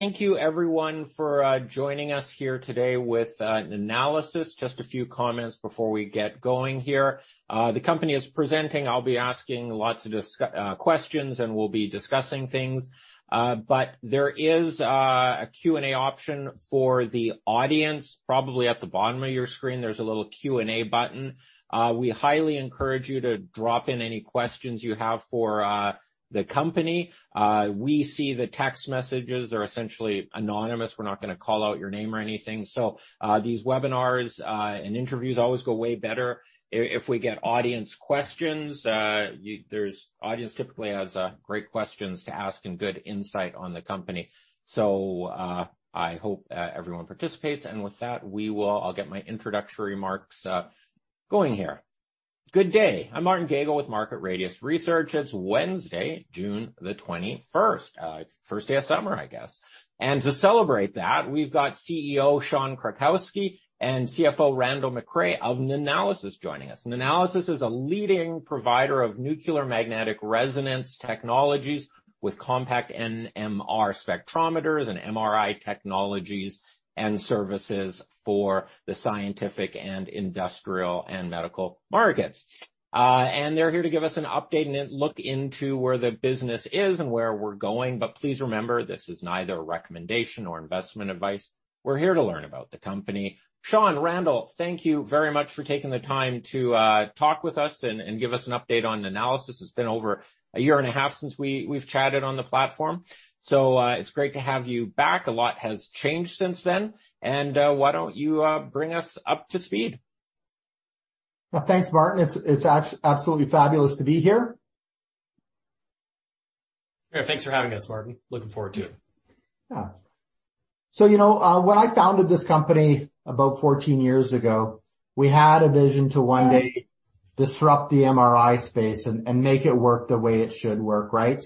Thank you everyone for joining us here today with Nanalysis. Just a few comments before we get going here. The company is presenting. I'll be asking lots of discu-- questions, and we'll be discussing things. There is a Q&A option for the audience. Probably at the bottom of your screen there's a little Q&A button. We highly encourage you to drop in any questions you have for the company. We see the text messages. They're essentially anonymous. We're not gonna call out your name or anything. These webinars and interviews always go way better if we get audience questions. Audience typically has great questions to ask and good insight on the company. I hope everyone participates. With that, I'll get my introductory remarks going here. Good day. I'm Martin Gagel with Market Radius Research. It's Wednesday, June the 21st. First day of summer, I guess. To celebrate that, we've got CEO Sean Krakiwsky and CFO Randall McRae of Nanalysis joining us. Nanalysis is a leading provider of nuclear magnetic resonance technologies with compact NMR spectrometers and MRI technologies and services for the scientific and industrial and medical markets. They're here to give us an update and a look into where the business is and where we're going. Please remember, this is neither a recommendation or investment advice. We're here to learn about the company. Sean, Randall, thank you very much for taking the time to talk with us and give us an update on Nanalysis. It's been over a year and a half since we've chatted on the platform, it's great to have you back. A lot has changed since then. Why don't you bring us up to speed? Well, thanks, Martin. It's absolutely fabulous to be here. Yeah. Thanks for having us, Martin. Looking forward to it. Yeah. You know, when I founded this company about 14 years ago, we had a vision to one day disrupt the MRI space and make it work the way it should work, right?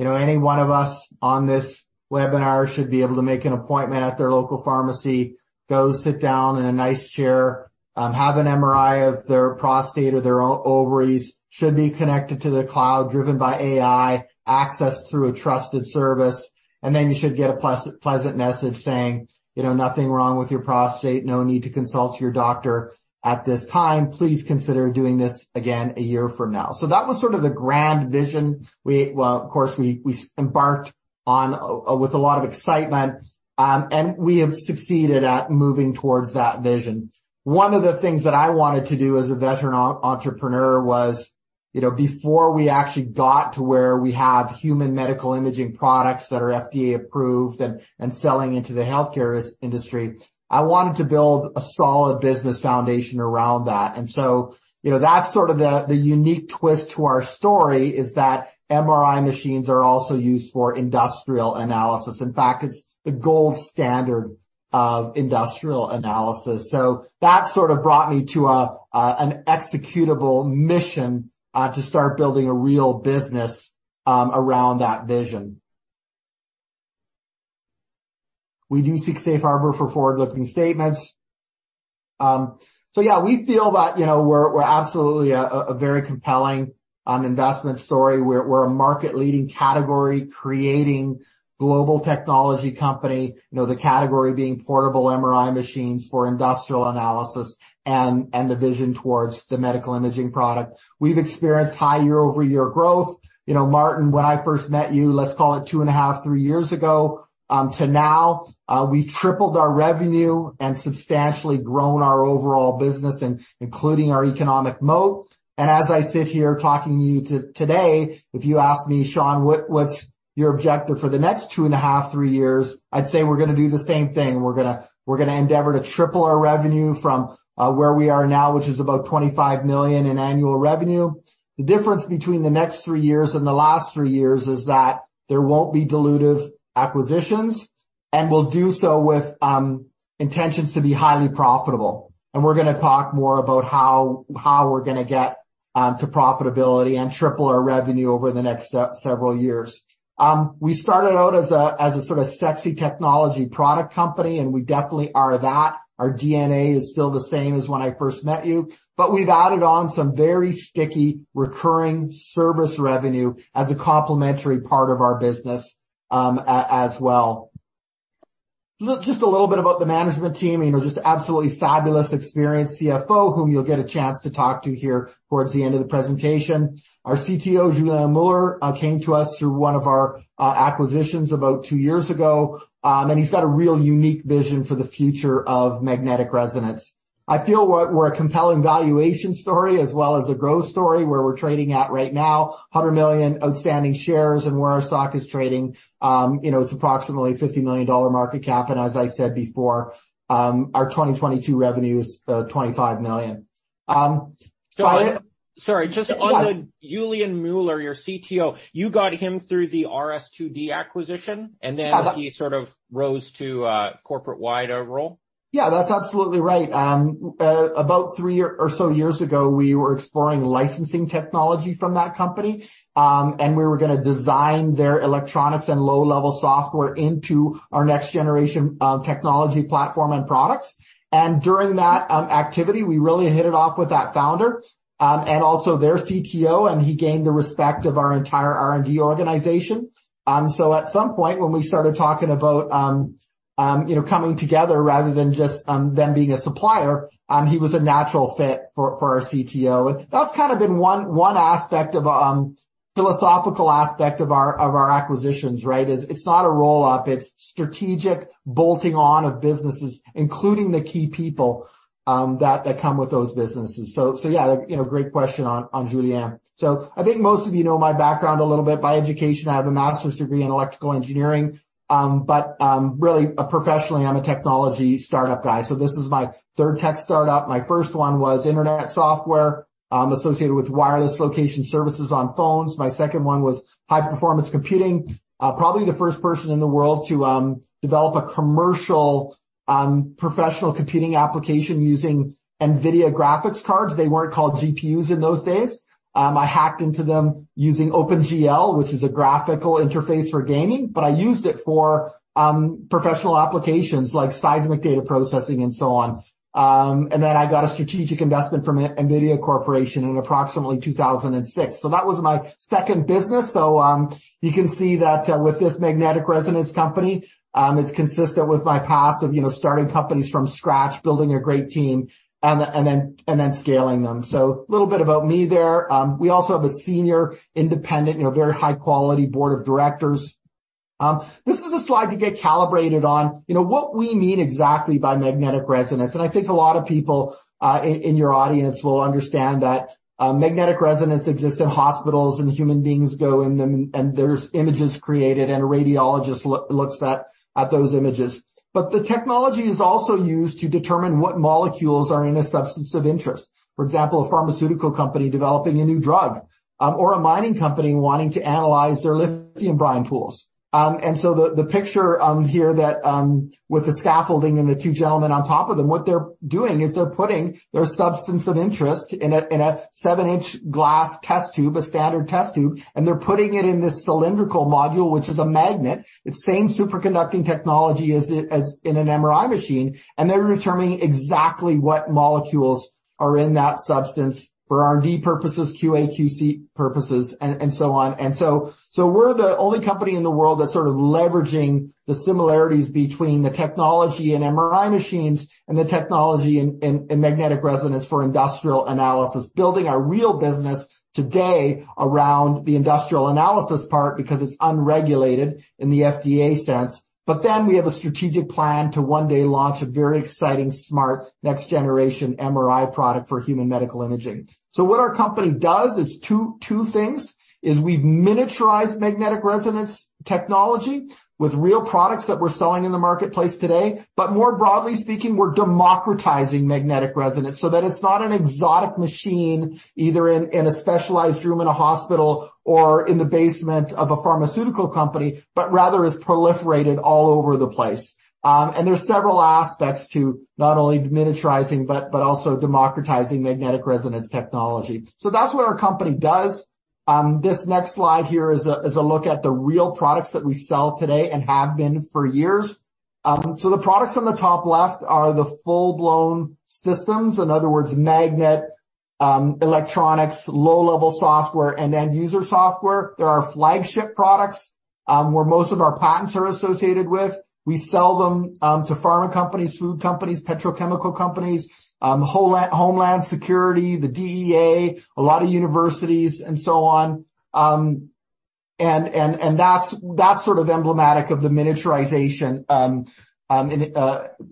You know, any one of us on this webinar should be able to make an appointment at their local pharmacy. Go sit down in a nice chair, have an MRI of their prostate or their ovaries. Should be connected to the cloud, driven by AI, accessed through a trusted service, and then you should get a pleasant message saying, you know, "Nothing wrong with your prostate. No need to consult your doctor at this time. Please consider doing this again a year from now." That was sort of the grand vision. Well, of course, we embarked on with a lot of excitement. We have succeeded at moving towards that vision. One of the things that I wanted to do as a veteran entrepreneur was, you know, before we actually got to where we have human medical imaging products that are FDA-approved and selling into the healthcare industry, I wanted to build a solid business foundation around that. You know, that's sort of the unique twist to our story, is that MRI machines are also used for industrial analysis. In fact, it's the gold standard of industrial analysis. That sort of brought me to an executable mission to start building a real business around that vision. We do seek safe harbor for forward-looking statements. Yeah, we feel that, you know, we're absolutely a very compelling investment story. We're a market leading category-creating global technology company, you know, the category being portable MRI machines for industrial analysis and the vision towards the medical imaging product. We've experienced high year-over-year growth. You know, Martin, when I first met you, let's call it 2.5, three years ago, to now, we've tripled our revenue and substantially grown our overall business, including our economic moat. As I sit here talking to you today, if you ask me, "Sean, what's your objective for the next 2.5, three years?" I'd say we're gonna do the same thing. We're gonna endeavor to triple our revenue from where we are now, which is about 25 million in annual revenue. The difference between the next three years and the last three years is that there won't be dilutive acquisitions. We'll do so with intentions to be highly profitable. We're gonna talk more about how we're gonna get to profitability and triple our revenue over the next several years. We started out as a sort of sexy technology product company. We definitely are that. Our DNA is still the same as when I first met you. We've added on some very sticky recurring service revenue as a complementary part of our business as well. Just a little bit about the management team, you know, just absolutely fabulous, experienced CFO, whom you'll get a chance to talk to here towards the end of the presentation. Our CTO, Julien Mueller, came to us through one of our acquisitions about two years ago. And he's got a real unique vision for the future of magnetic resonance. I feel we're a compelling valuation story as well as a growth story, where we're trading at right now, 100 million outstanding shares and where our stock is trading. You know, it's approximately a 50 million dollar market cap. As I said before, our 2022 revenue is 25 million. Sorry. Julien Mueller, your CTO, you got him through the RS2D acquisition? He sort of rose to a corporate-wide role? Yeah, that's absolutely right. About three or so years ago, we were exploring licensing technology from that company. We were gonna design their electronics and low-level software into our next generation technology platform and products. During that activity, we really hit it off with that founder, and also their CTO, and he gained the respect of our entire R&D organization. At some point when we started talking about, you know, coming together rather than just them being a supplier, he was a natural fit for our CTO. That's kind of been one aspect of philosophical aspect of our acquisitions, right? Is it's not a roll-up, it's strategic bolting on of businesses, including the key people that come with those businesses. Yeah, you know, great question on Julien. I think most of you know my background a little bit. By education, I have a master's degree in electrical engineering. Professionally, I'm a technology startup guy, this is my third tech startup. My first one was internet software, associated with wireless location services on phones. My second one was high-performance computing. Probably the first person in the world to develop a commercial, professional computing application using NVIDIA graphics cards. They weren't called GPUs in those days. I hacked into them using OpenGL, which is a graphical interface for gaming, but I used it for professional applications like seismic data processing and so on. I got a strategic investment from NVIDIA Corporation in approximately 2006. That was my second business. You can see that with this magnetic resonance company, it's consistent with my past of, you know, starting companies from scratch, building a great team, and then scaling them. Little bit about me there. We also have a senior independent, you know, very high-quality board of directors. This is a slide to get calibrated on, you know, what we mean exactly by magnetic resonance. I think a lot of people in your audience will understand that magnetic resonance exists in hospitals, and human beings go in them, and there's images created, and a radiologist looks at those images. The technology is also used to determine what molecules are in a substance of interest. For example, a pharmaceutical company developing a new drug, or a mining company wanting to analyze their lithium brine pools. With the scaffolding and the two gentlemen on top of them, what they're doing is they're putting their substance of interest in a 7 in glass test tube, a standard test tube, and they're putting it in this cylindrical module, which is a magnet. It's the same superconducting technology as in an MRI machine, and they're determining exactly what molecules are in that substance for R&D purposes, QA, QC purposes, and so on. So we're the only company in the world that's sort of leveraging the similarities between the technology in MRI machines and the technology in magnetic resonance for industrial analysis, building a real business today around the industrial analysis part because it's unregulated in the FDA sense. But then we have a strategic plan to one day launch a very exciting, smart next-generation MRI product for human medical imaging. What our company does is two things, is we've miniaturized magnetic resonance technology with real products that we're selling in the marketplace today. More broadly speaking, we're democratizing magnetic resonance so that it's not an exotic machine either in a specialized room in a hospital or in the basement of a pharmaceutical company, rather is proliferated all over the place. There's several aspects to not only miniaturizing, but also democratizing magnetic resonance technology. That's what our company does. This next slide here is a look at the real products that we sell today and have been for years. The products on the top left are the full-blown systems. In other words, magnet, electronics, low-level software, and end-user software. They're our flagship products, where most of our patents are associated with. We sell them to pharma companies, food companies, petrochemical companies, Homeland Security, the DEA, a lot of universities, and so on. That's sort of emblematic of the miniaturization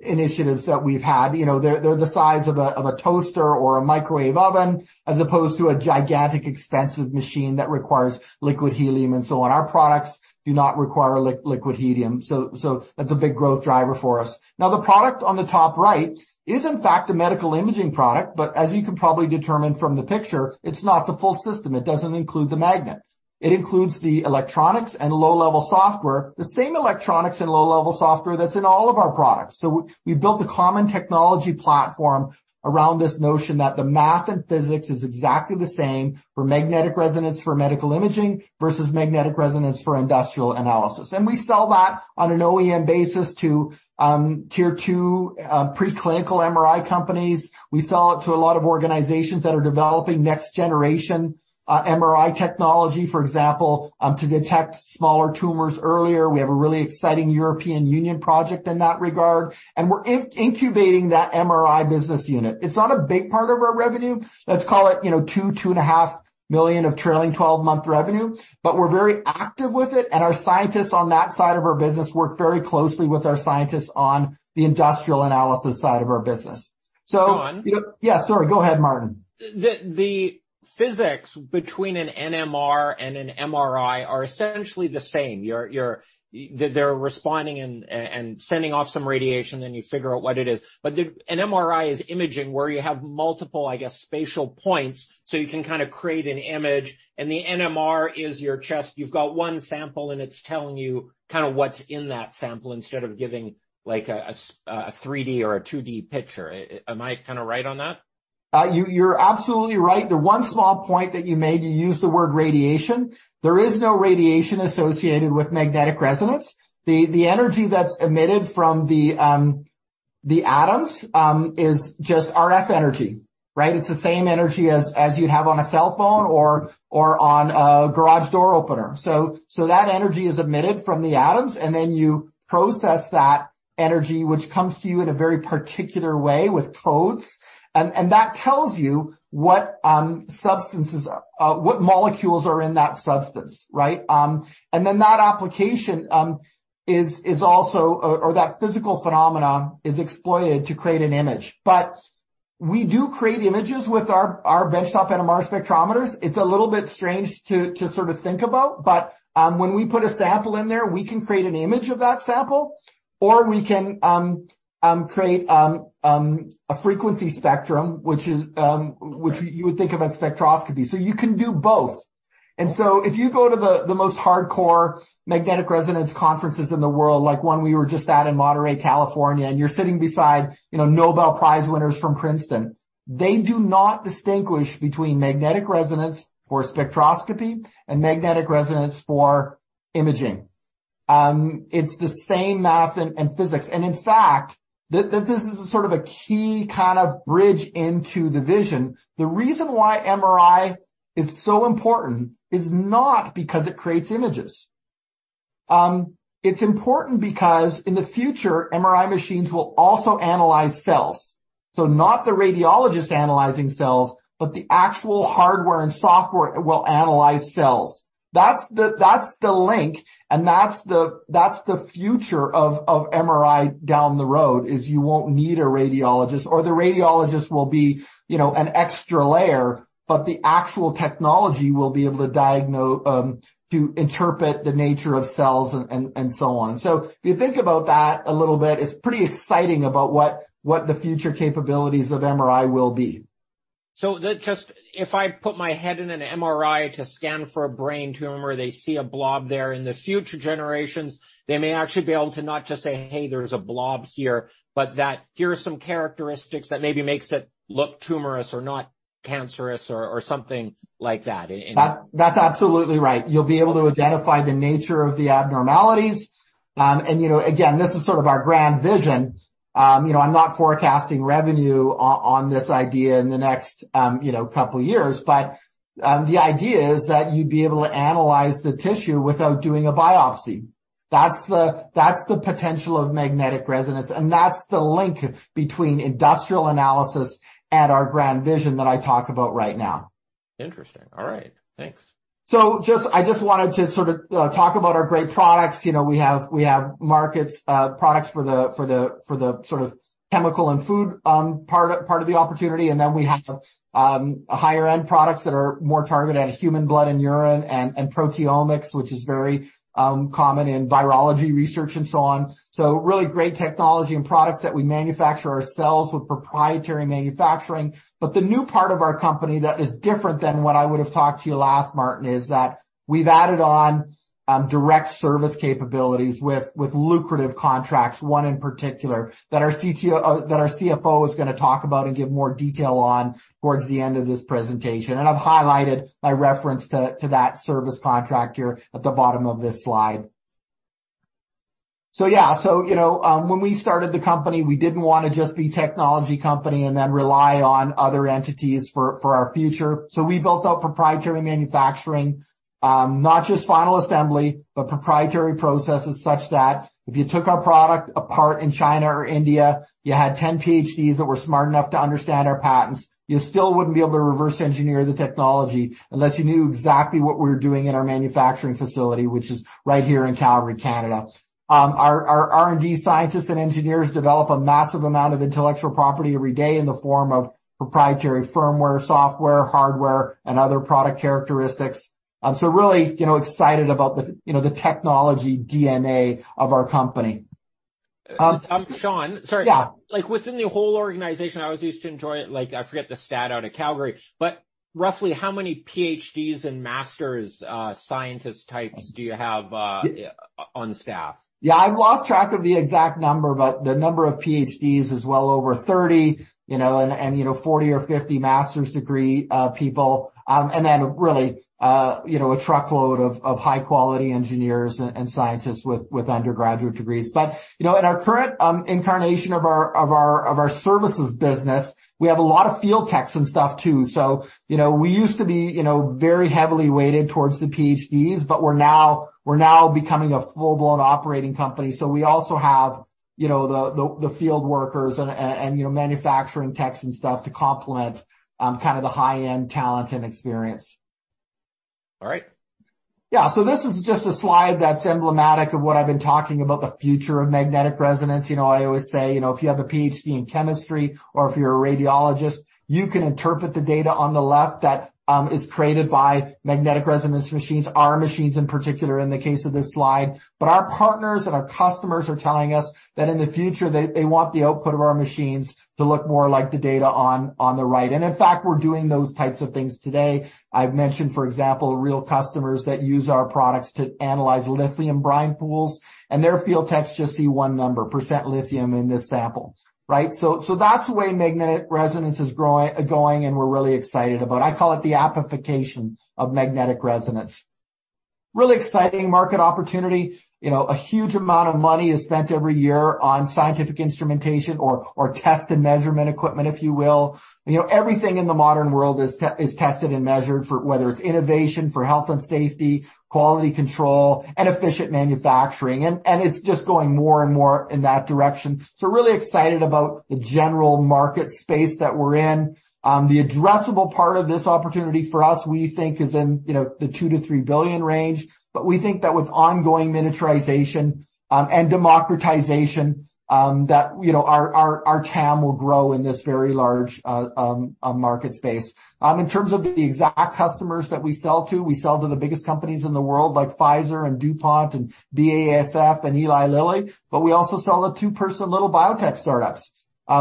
initiatives that we've had. You know, they're the size of a toaster or a microwave oven as opposed to a gigantic expensive machine that requires liquid helium, and so on. Our products do not require liquid helium, so that's a big growth driver for us. The product on the top right is, in fact, a medical imaging product, but as you can probably determine from the picture, it's not the full system. It doesn't include the magnet. It includes the electronics and low-level software, the same electronics and low-level software that's in all of our products. We built a common technology platform around this notion that the math and physics is exactly the same for magnetic resonance for medical imaging versus magnetic resonance for industrial analysis. We sell that on an OEM basis to Tier 2 preclinical MRI companies. We sell it to a lot of organizations that are developing next-generation MRI technology, for example, to detect smaller tumors earlier. We have a really exciting European Union project in that regard, and we're incubating that MRI business unit. It's not a big part of our revenue. Let's call it, you know, 2 million, 2.5 million of trailing 12-month revenue. We're very active with it, and our scientists on that side of our business work very closely with our scientists on the industrial analysis side of our business. Sean? Yeah, sorry. Go ahead, Martin. The physics between an NMR and an MRI are essentially the same. They're responding and sending off some radiation, you figure out what it is. An MRI is imaging where you have multiple, I guess, spatial points, so you can kind of create an image, and the NMR is you've got one sample, and it's telling you kind of what's in that sample instead of giving like a 3D or a 2D picture. Am I kind of right on that? You, you're absolutely right. The one small point that you made, you used the word radiation. There is no radiation associated with magnetic resonance. The energy that's emitted from the atoms is just RF energy, right? It's the same energy as you'd have on a cell phone or on a garage door opener. That energy is emitted from the atoms, and then you process that energy, which comes to you in a very particular way with codes, and that tells you what molecules are in that substance, right? That application is also or that physical phenomenon is exploited to create an image. We do create images with our benchtop NMR spectrometers. It's a little bit strange to sort of think about, when we put a sample in there, we can create an image of that sample, or we can create a frequency spectrum, which is which you would think of as spectroscopy. You can do both. If you go to the most hardcore magnetic resonance conferences in the world, like one we were just at in Monterey, California, and you're sitting beside, you know, Nobel Prize winners from Princeton, they do not distinguish between magnetic resonance for spectroscopy and magnetic resonance for imaging. It's the same math and physics. In fact, this is a sort of a key kind of bridge into the vision. The reason why MRI is so important is not because it creates images. It's important because in the future, MRI machines will also analyze cells. Not the radiologist analyzing cells, but the actual hardware and software will analyze cells. That's the link, that's the future of MRI down the road, is you won't need a radiologist, or the radiologist will be, you know, an extra layer, but the actual technology will be able to interpret the nature of cells and so on. If you think about that a little bit, it's pretty exciting about what the future capabilities of MRI will be. Just if I put my head in an MRI to scan for a brain tumor, they see a blob there. In the future generations, they may actually be able to not just say, "Hey, there's a blob here," but that here are some characteristics that maybe makes it look tumorous or not cancerous or something like that. That's absolutely right. You'll be able to identify the nature of the abnormalities. You know, again, this is sort of our grand vision. You know, I'm not forecasting revenue on this idea in the next, you know, couple years, the idea is that you'd be able to analyze the tissue without doing a biopsy. That's the potential of magnetic resonance, that's the link between industrial analysis and our grand vision that I talk about right now. Interesting. All right. Thanks. I just wanted to sort of talk about our great products. You know, we have markets, products for the sort of chemical and food part of the opportunity, and then we have higher-end products that are more targeted at human blood and urine and proteomics, which is very common in virology research and so on. Really great technology and products that we manufacture ourselves with proprietary manufacturing. The new part of our company that is different than what I would have talked to you last, Martin, is that we've added on direct service capabilities with lucrative contracts, one in particular, that our CTO, that our CFO is gonna talk about and give more detail on towards the end of this presentation. I've highlighted by reference to that service contract here at the bottom of this slide. You know, when we started the company, we didn't wanna just be a technology company and then rely on other entities for our future. We built out proprietary manufacturing, not just final assembly, but proprietary processes such that if you took our product apart in China or India, you had 10 PhDs that were smart enough to understand our patents, you still wouldn't be able to reverse engineer the technology unless you knew exactly what we were doing in our manufacturing facility, which is right here in Calgary, Canada. Our R&D scientists and engineers develop a massive amount of intellectual property every day in the form of proprietary firmware, software, hardware, and other product characteristics. Really, you know, excited about the, you know, the technology DNA of our company. Sean, sorry. Yeah. Like, within the whole organization, I always used to enjoy it. Like, I forget the stat out of Calgary, but roughly how many PhDs and master's scientist types do you have on staff? Yeah, I've lost track of the exact number, but the number of PhDs is well over 30, you know, and, you know, 40 or 50 master's degree people, and then really, you know, a truckload of high-quality engineers and scientists with undergraduate degrees. You know, in our current incarnation of our services business, we have a lot of field techs and stuff too. You know, we used to be, you know, very heavily weighted towards the PhDs, we're now becoming a full-blown operating company. We also have, you know, the field workers and, you know, manufacturing techs and stuff to complement kind of the high-end talent and experience. All right. Yeah. This is just a slide that's emblematic of what I've been talking about the future of magnetic resonance. You know, I always say, you know, if you have a PhD in chemistry or if you're a radiologist, you can interpret the data on the left that is created by magnetic resonance machines, our machines in particular in the case of this slide. Our partners and our customers are telling us that in the future, they want the output of our machines to look more like the data on the right. In fact, we're doing those types of things today. I've mentioned, for example, real customers that use our products to analyze lithium brine pools, and their field techs just see one number, percent lithium in this sample, right? That's the way magnetic resonance is going, and we're really excited about. I call it the appification of magnetic resonance. Really exciting market opportunity. You know, a huge amount of money is spent every year on scientific instrumentation or test and measurement equipment, if you will. You know, everything in the modern world is tested and measured for whether it's innovation for health and safety, quality control, and efficient manufacturing. It's just going more and more in that direction. Really excited about the general market space that we're in. The addressable part of this opportunity for us, we think is in, you know, the 2 billion-3 billion range. We think that with ongoing miniaturization and democratization that, you know, our TAM will grow in this very large market space. In terms of the exact customers that we sell to, we sell to the biggest companies in the world, like Pfizer and DuPont and BASF and Eli Lilly, but we also sell to two-person little biotech startups.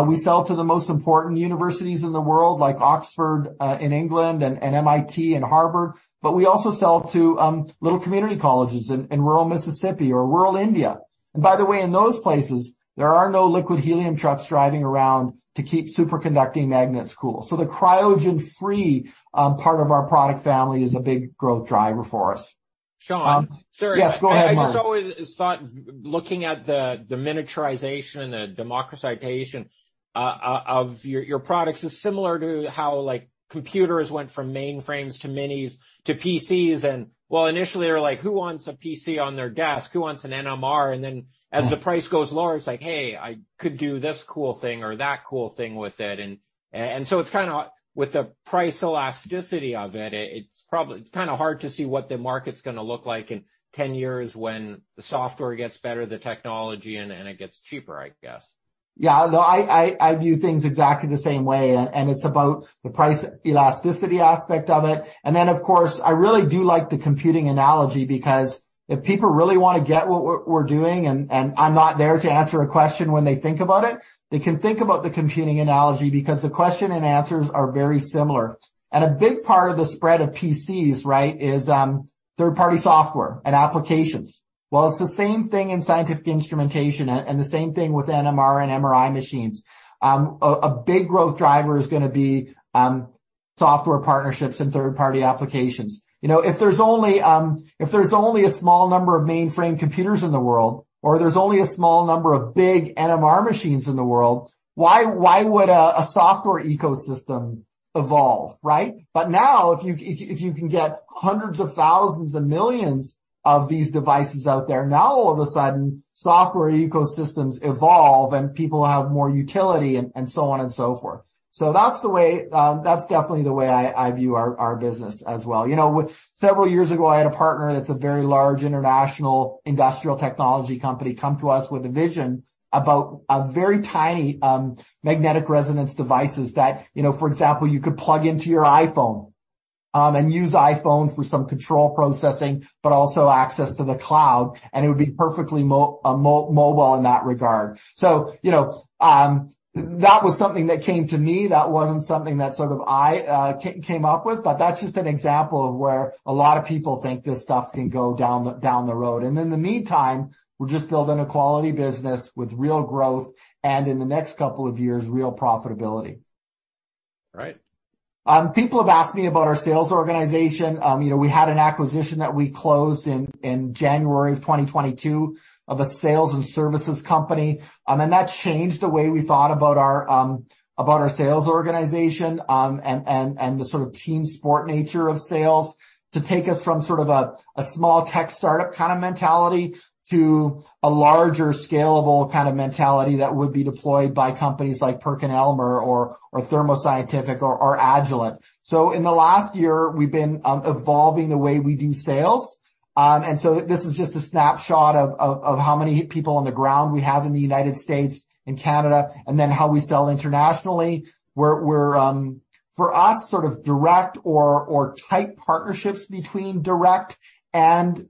We sell to the most important universities in the world like Oxford, in England and MIT and Harvard, but we also sell to little community colleges in rural Mississippi or rural India. By the way, in those places, there are no liquid helium trucks driving around to keep superconducting magnets cool. The cryogen-free part of our product family is a big growth driver for us. Sean. Sorry. Yes, go ahead, Martin. I just always thought looking at the miniaturization and the democratization of your products is similar to how like computers went from mainframes to minis to PCs. Well, initially they were like, "Who wants a PC on their desk? Who wants an NMR?" Then as the price goes lower, it's like, "Hey, I could do this cool thing or that cool thing with it." So it's kinda with the price elasticity of it's kinda hard to see what the market's gonna look like in 10 years when the software gets better, the technology, and it gets cheaper, I guess. No, I view things exactly the same way, and it's about the price elasticity aspect of it. Of course, I really do like the computing analogy because if people really want to get what we're doing and I'm not there to answer a question when they think about it, they can think about the computing analogy because the question and answers are very similar. A big part of the spread of PCs, right, is third-party software and applications. Well, it's the same thing in scientific instrumentation and the same thing with NMR and MRI machines. A big growth driver is going to be software partnerships and third-party applications. You know, if there's only a small number of mainframe computers in the world or there's only a small number of big NMR machines in the world, why would a software ecosystem evolve, right? Now if you can get hundreds of thousands and millions of these devices out there, now all of a sudden, software ecosystems evolve, and people have more utility and so on and so forth. That's the way, that's definitely the way I view our business as well. You know, several years ago, I had a partner that's a very large international industrial technology company come to us with a vision about a very tiny, magnetic resonance devices that, you know, for example, you could plug into your iPhone, and use iPhone for some control processing, but also access to the cloud, and it would be perfectly mobile in that regard. You know, that was something that came to me. That wasn't something that sort of I came up with, but that's just an example of where a lot of people think this stuff can go down the road. In the meantime, we're just building a quality business with real growth and, in the next couple of years, real profitability. Right. People have asked me about our sales organization. You know, we had an acquisition that we closed in January 2022 of a sales and services company, and that changed the way we thought about our sales organization and the sort of team sport nature of sales to take us from sort of a small tech startup kind of mentality to a larger scalable kind of mentality that would be deployed by companies like PerkinElmer or Thermo Scientific or Agilent. In the last year, we've been evolving the way we do sales. This is just a snapshot of how many people on the ground we have in the United States and Canada, how we sell internationally. We're for us sort of direct or tight partnerships between direct and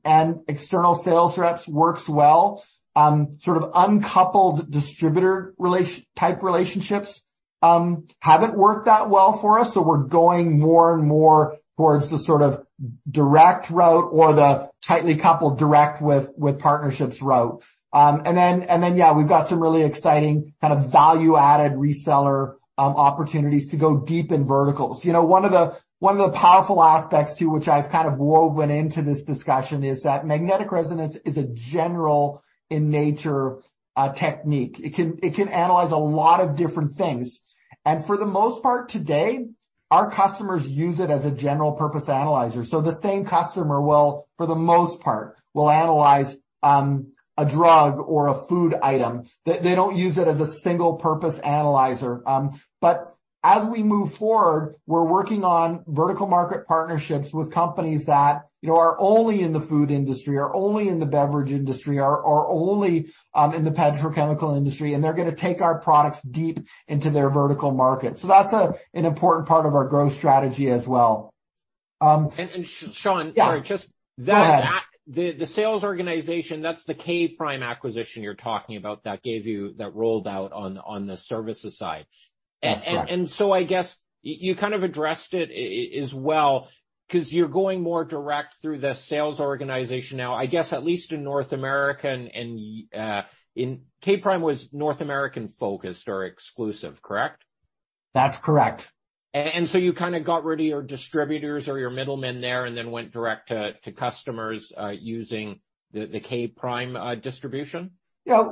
external sales reps works well. Sort of uncoupled distributor relationships haven't worked that well for us, so we're going more and more towards the sort of direct route or the tightly coupled direct with partnerships route. Yeah, we've got some really exciting kind of value-added reseller opportunities to go deep in verticals. You know, one of the, one of the powerful aspects too, which I've kind of woven into this discussion, is that magnetic resonance is a general in nature technique. It can analyze a lot of different things. For the most part today, our customers use it as a general-purpose analyzer. The same customer will, for the most part, will analyze a drug or a food item. They don't use it as a single-purpose analyzer. As we move forward, we're working on vertical market partnerships with companies that, you know, are only in the food industry, are only in the beverage industry, are only in the petrochemical industry, and they're gonna take our products deep into their vertical market. That's an important part of our growth strategy as well. Sean. Yeah. Sorry, just that- Go ahead.... that the sales organization, that's the K'(Prime) acquisition you're talking about that gave that rolled out on the services side. That's correct. I guess you kind of addressed it as well 'cause you're going more direct through the sales organization now. I guess at least in North America, K'(Prime) was North American-focused or exclusive, correct? That's correct. You kind of got rid of your distributors or your middlemen there and then went direct to customers, using the K'(Prime) distribution? Yeah.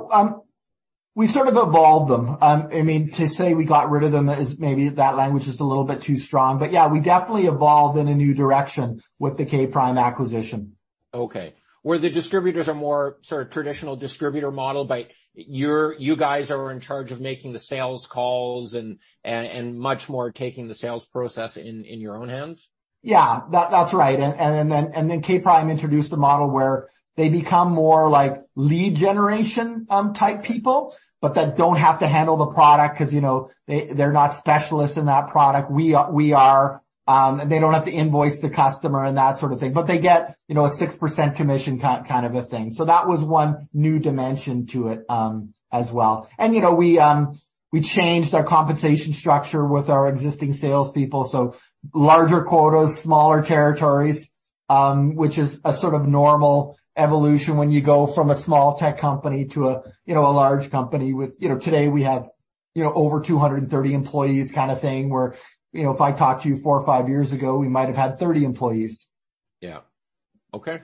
We sort of evolved them. I mean, to say we got rid of them is maybe that language is a little bit too strong. Yeah, we definitely evolved in a new direction with the K Prime acquisition. Okay. Where the distributors are more sort of traditional distributor model, but you guys are in charge of making the sales calls and much more taking the sales process in your own hands? Yeah. That's right. Then K'(Prime) introduced a model where they become more like lead generation type people, but that don't have to handle the product 'cause, you know, they're not specialists in that product. We are. They don't have to invoice the customer and that sort of thing. They get, you know, a 6% commission kind of a thing. That was one new dimension to it as well. You know, we changed our compensation structure with our existing salespeople, so larger quotas, smaller territories, which is a sort of normal evolution when you go from a small tech company to a, you know, a large company with... You know, today we have, you know, over 230 employees kind of thing where, you know, if I talked to you four or five years ago, we might have had 30 employees. Yeah. Okay.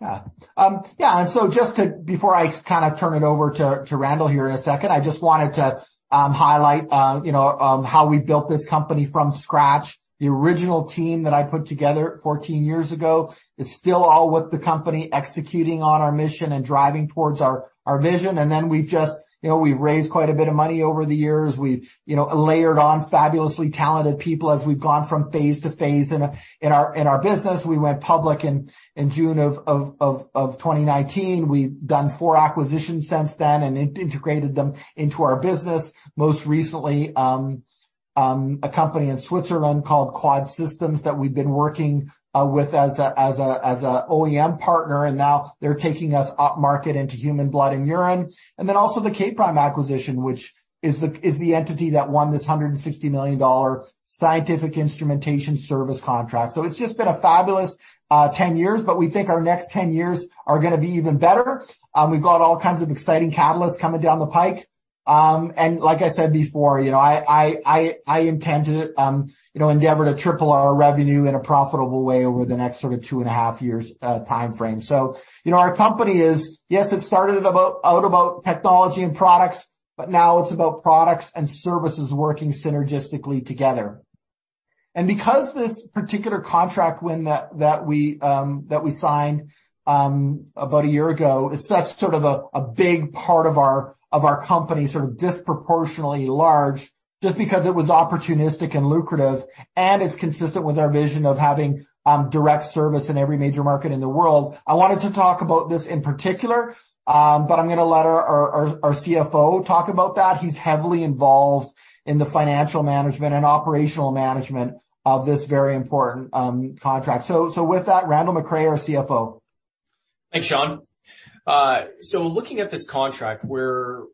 Just before I kind of turn it over to Randall here in a second, I just wanted to highlight, you know, how we built this company from scratch. The original team that I put together 14 years ago is still all with the company, executing on our mission and driving towards our vision. We've just, you know, we've raised quite a bit of money over the years. We've, you know, layered on fabulously talented people as we've gone from phase to phase in our business. We went public in June of 2019. We've done four acquisitions since then and integrated them into our business. Most recently, a company in Switzerland called Quad Systems that we've been working with as a OEM partner. Now they're taking us upmarket into human blood and urine. Also the K'(Prime) acquisition, which is the entity that won this 160 million dollar scientific instrumentation service contract. It's just been a fabulous 10 years, but we think our next 10 years are gonna be even better. We've got all kinds of exciting catalysts coming down the pike. Like I said before, you know, I intend to, you know, endeavor to triple our revenue in a profitable way over the next sort of two and a half years timeframe. You know, our company is, yes, it started out about technology and products, but now it's about products and services working synergistically together. Because this particular contract win that we signed about a year ago is such sort of a big part of our company, sort of disproportionately large, just because it was opportunistic and lucrative, and it's consistent with our vision of having direct service in every major market in the world, I wanted to talk about this in particular. I'm gonna let our CFO talk about that. He's heavily involved in the financial management and operational management of this very important contract. With that, Randall McRae, our CFO. Thanks, Sean. Looking at this contract, we're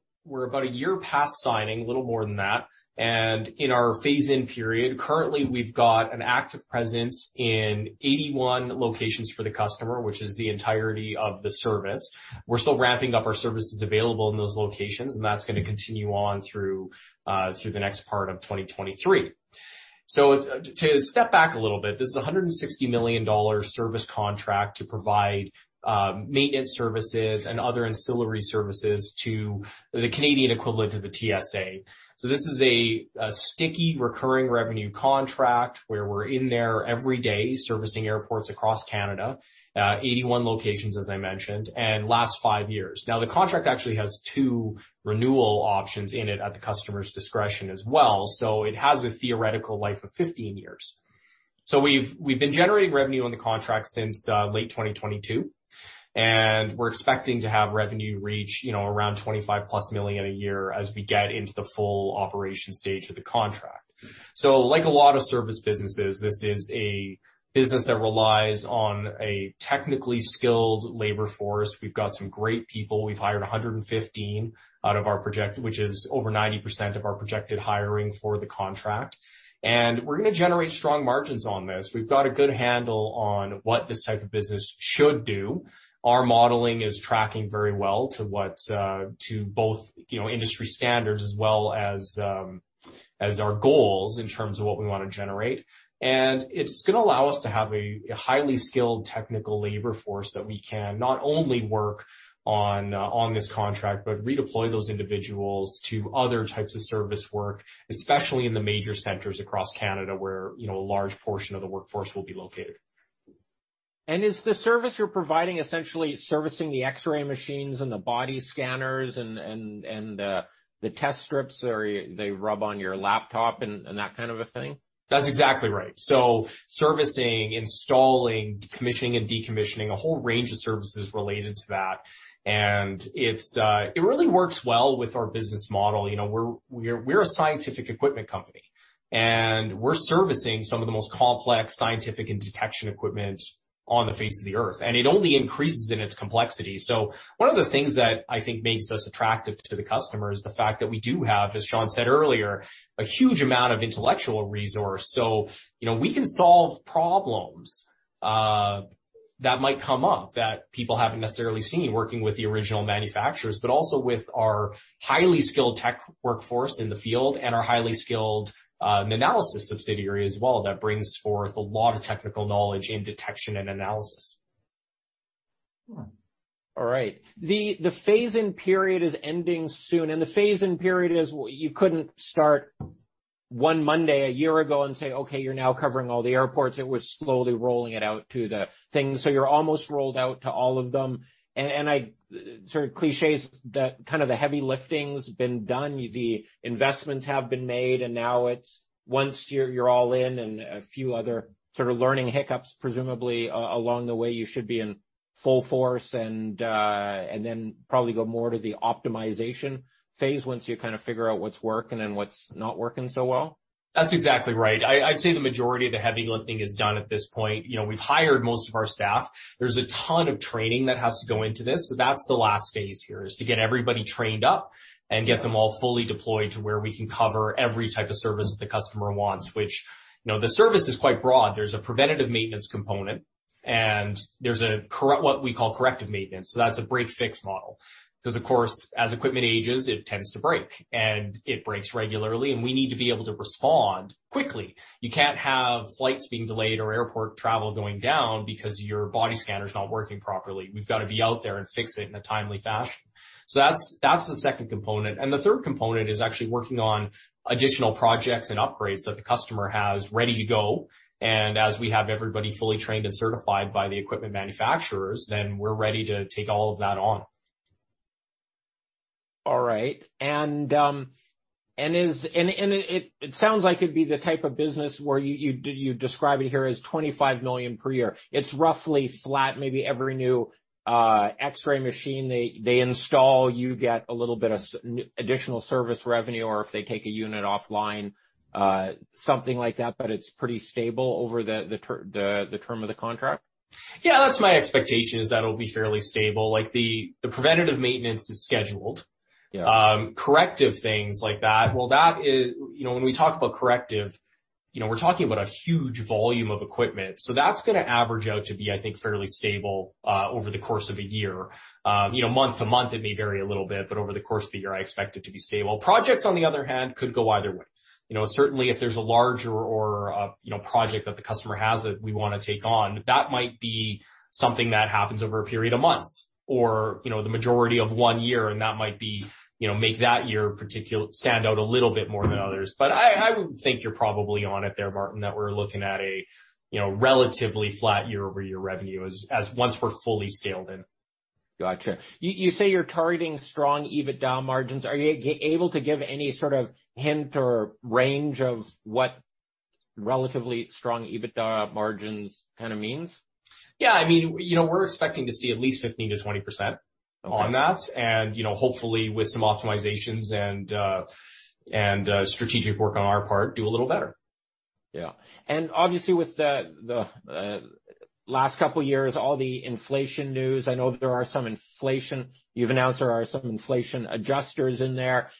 about a year past signing, a little more than that, and in our phase-in period. Currently, we've got an active presence in 81 locations for the customer, which is the entirety of the service. We're still ramping up our services available in those locations, that's gonna continue on through the next part of 2023. To step back a little bit, this is a 160 million dollars service contract to provide maintenance services and other ancillary services to the Canadian equivalent of the TSA. This is a sticky recurring revenue contract where we're in there every day servicing airports across Canada, 81 locations, as I mentioned, and lasts five years. The contract actually has two renewal options in it at the customer's discretion as well, it has a theoretical life of 15 years. We've, we've been generating revenue on the contract since late 2022, and we're expecting to have revenue reach, you know, around 25+ million a year as we get into the full operation stage of the contract. Like a lot of service businesses, this is a business that relies on a technically skilled labor force. We've got some great people. We've hired 115 out of our project, which is over 90% of our projected hiring for the contract. We're gonna generate strong margins on this. We've got a good handle on what this type of business should do. Our modeling is tracking very well to what, to both, you know, industry standards as well as our goals in terms of what we want to generate. It's gonna allow us to have a highly skilled technical labor force that we can not only work on this contract, but redeploy those individuals to other types of service work, especially in the major centers across Canada, where, you know, a large portion of the workforce will be located. Is the service you're providing essentially servicing the X-ray machines and the body scanners and the test strips where they rub on your laptop and that kind of a thing? That's exactly right. Servicing, installing, commissioning and decommissioning, a whole range of services related to that. It really works well with our business model. You know, we're a scientific equipment company, and we're servicing some of the most complex scientific and detection equipment on the face of the Earth, and it only increases in its complexity. One of the things that I think makes us attractive to the customer is the fact that we do have, as Sean said earlier, a huge amount of intellectual resource. You know, we can solve problems that might come up that people haven't necessarily seen working with the original manufacturers, but also with our highly skilled tech workforce in the field and our highly skilled Nanalysis subsidiary as well that brings forth a lot of technical knowledge in detection and analysis. All right. The phase-in period is ending soon. The phase-in period is you couldn't start one Monday a year ago and say, "Okay, you're now covering all the airports." It was slowly rolling it out to the things. You're almost rolled out to all of them. Sort of cliches, the kind of the heavy lifting's been done. The investments have been made, and now it's once you're all in and a few other sort of learning hiccups, presumably along the way, you should be in full force and then probably go more to the optimization phase once you kind of figure out what's working and what's not working so well. That's exactly right. I'd say the majority of the heavy lifting is done at this point. You know, we've hired most of our staff. There's a ton of training that has to go into this, so that's the last phase here, is to get everybody trained up and get them all fully deployed to where we can cover every type of service the customer wants, which, you know, the service is quite broad. There's a preventative maintenance component, and there's what we call corrective maintenance. That's a break-fix model. 'Cause of course, as equipment ages, it tends to break, and it breaks regularly, and we need to be able to respond quickly. You can't have flights being delayed or airport travel going down because your body scanner's not working properly. We've got to be out there and fix it in a timely fashion. That's, that's the second component. The third component is actually working on additional projects and upgrades that the customer has ready to go. As we have everybody fully trained and certified by the equipment manufacturers, then we're ready to take all of that on. All right. It sounds like it’d be the type of business where you describe it here as 25 million per year. It’s roughly flat, maybe every new X-ray machine they install, you get a little bit of additional service revenue, or if they take a unit offline, something like that, but it’s pretty stable over the term of the contract. Yeah, that's my expectation is that it'll be fairly stable. Like the preventative maintenance is scheduled. Yeah. Corrective things like that, well, that is, you know, when we talk about corrective, you know, we're talking about a huge volume of equipment. That's gonna average out to be, I think, fairly stable over the course of a year. You know, month to month, it may vary a little bit, but over the course of the year, I expect it to be stable. Projects, on the other hand, could go either way. You know, certainly if there's a larger or, you know, project that the customer has that we wanna take on, that might be something that happens over a period of months or, you know, the majority of one year, and that might be, you know, make that year stand out a little bit more than others. I would think you're probably on it there, Martin, that we're looking at a, you know, relatively flat year-over-year revenue once we're fully scaled in. Gotcha. You say you're targeting strong EBITDA margins. Are you able to give any sort of hint or range of what relatively strong EBITDA margins kind of means? Yeah. I mean, you know, we're expecting to see at least 15%-20% on that. You know, hopefully with some optimizations and strategic work on our part, do a little better. Yeah. Obviously with the last couple years, all the inflation news, I know there are some inflation adjusters in there.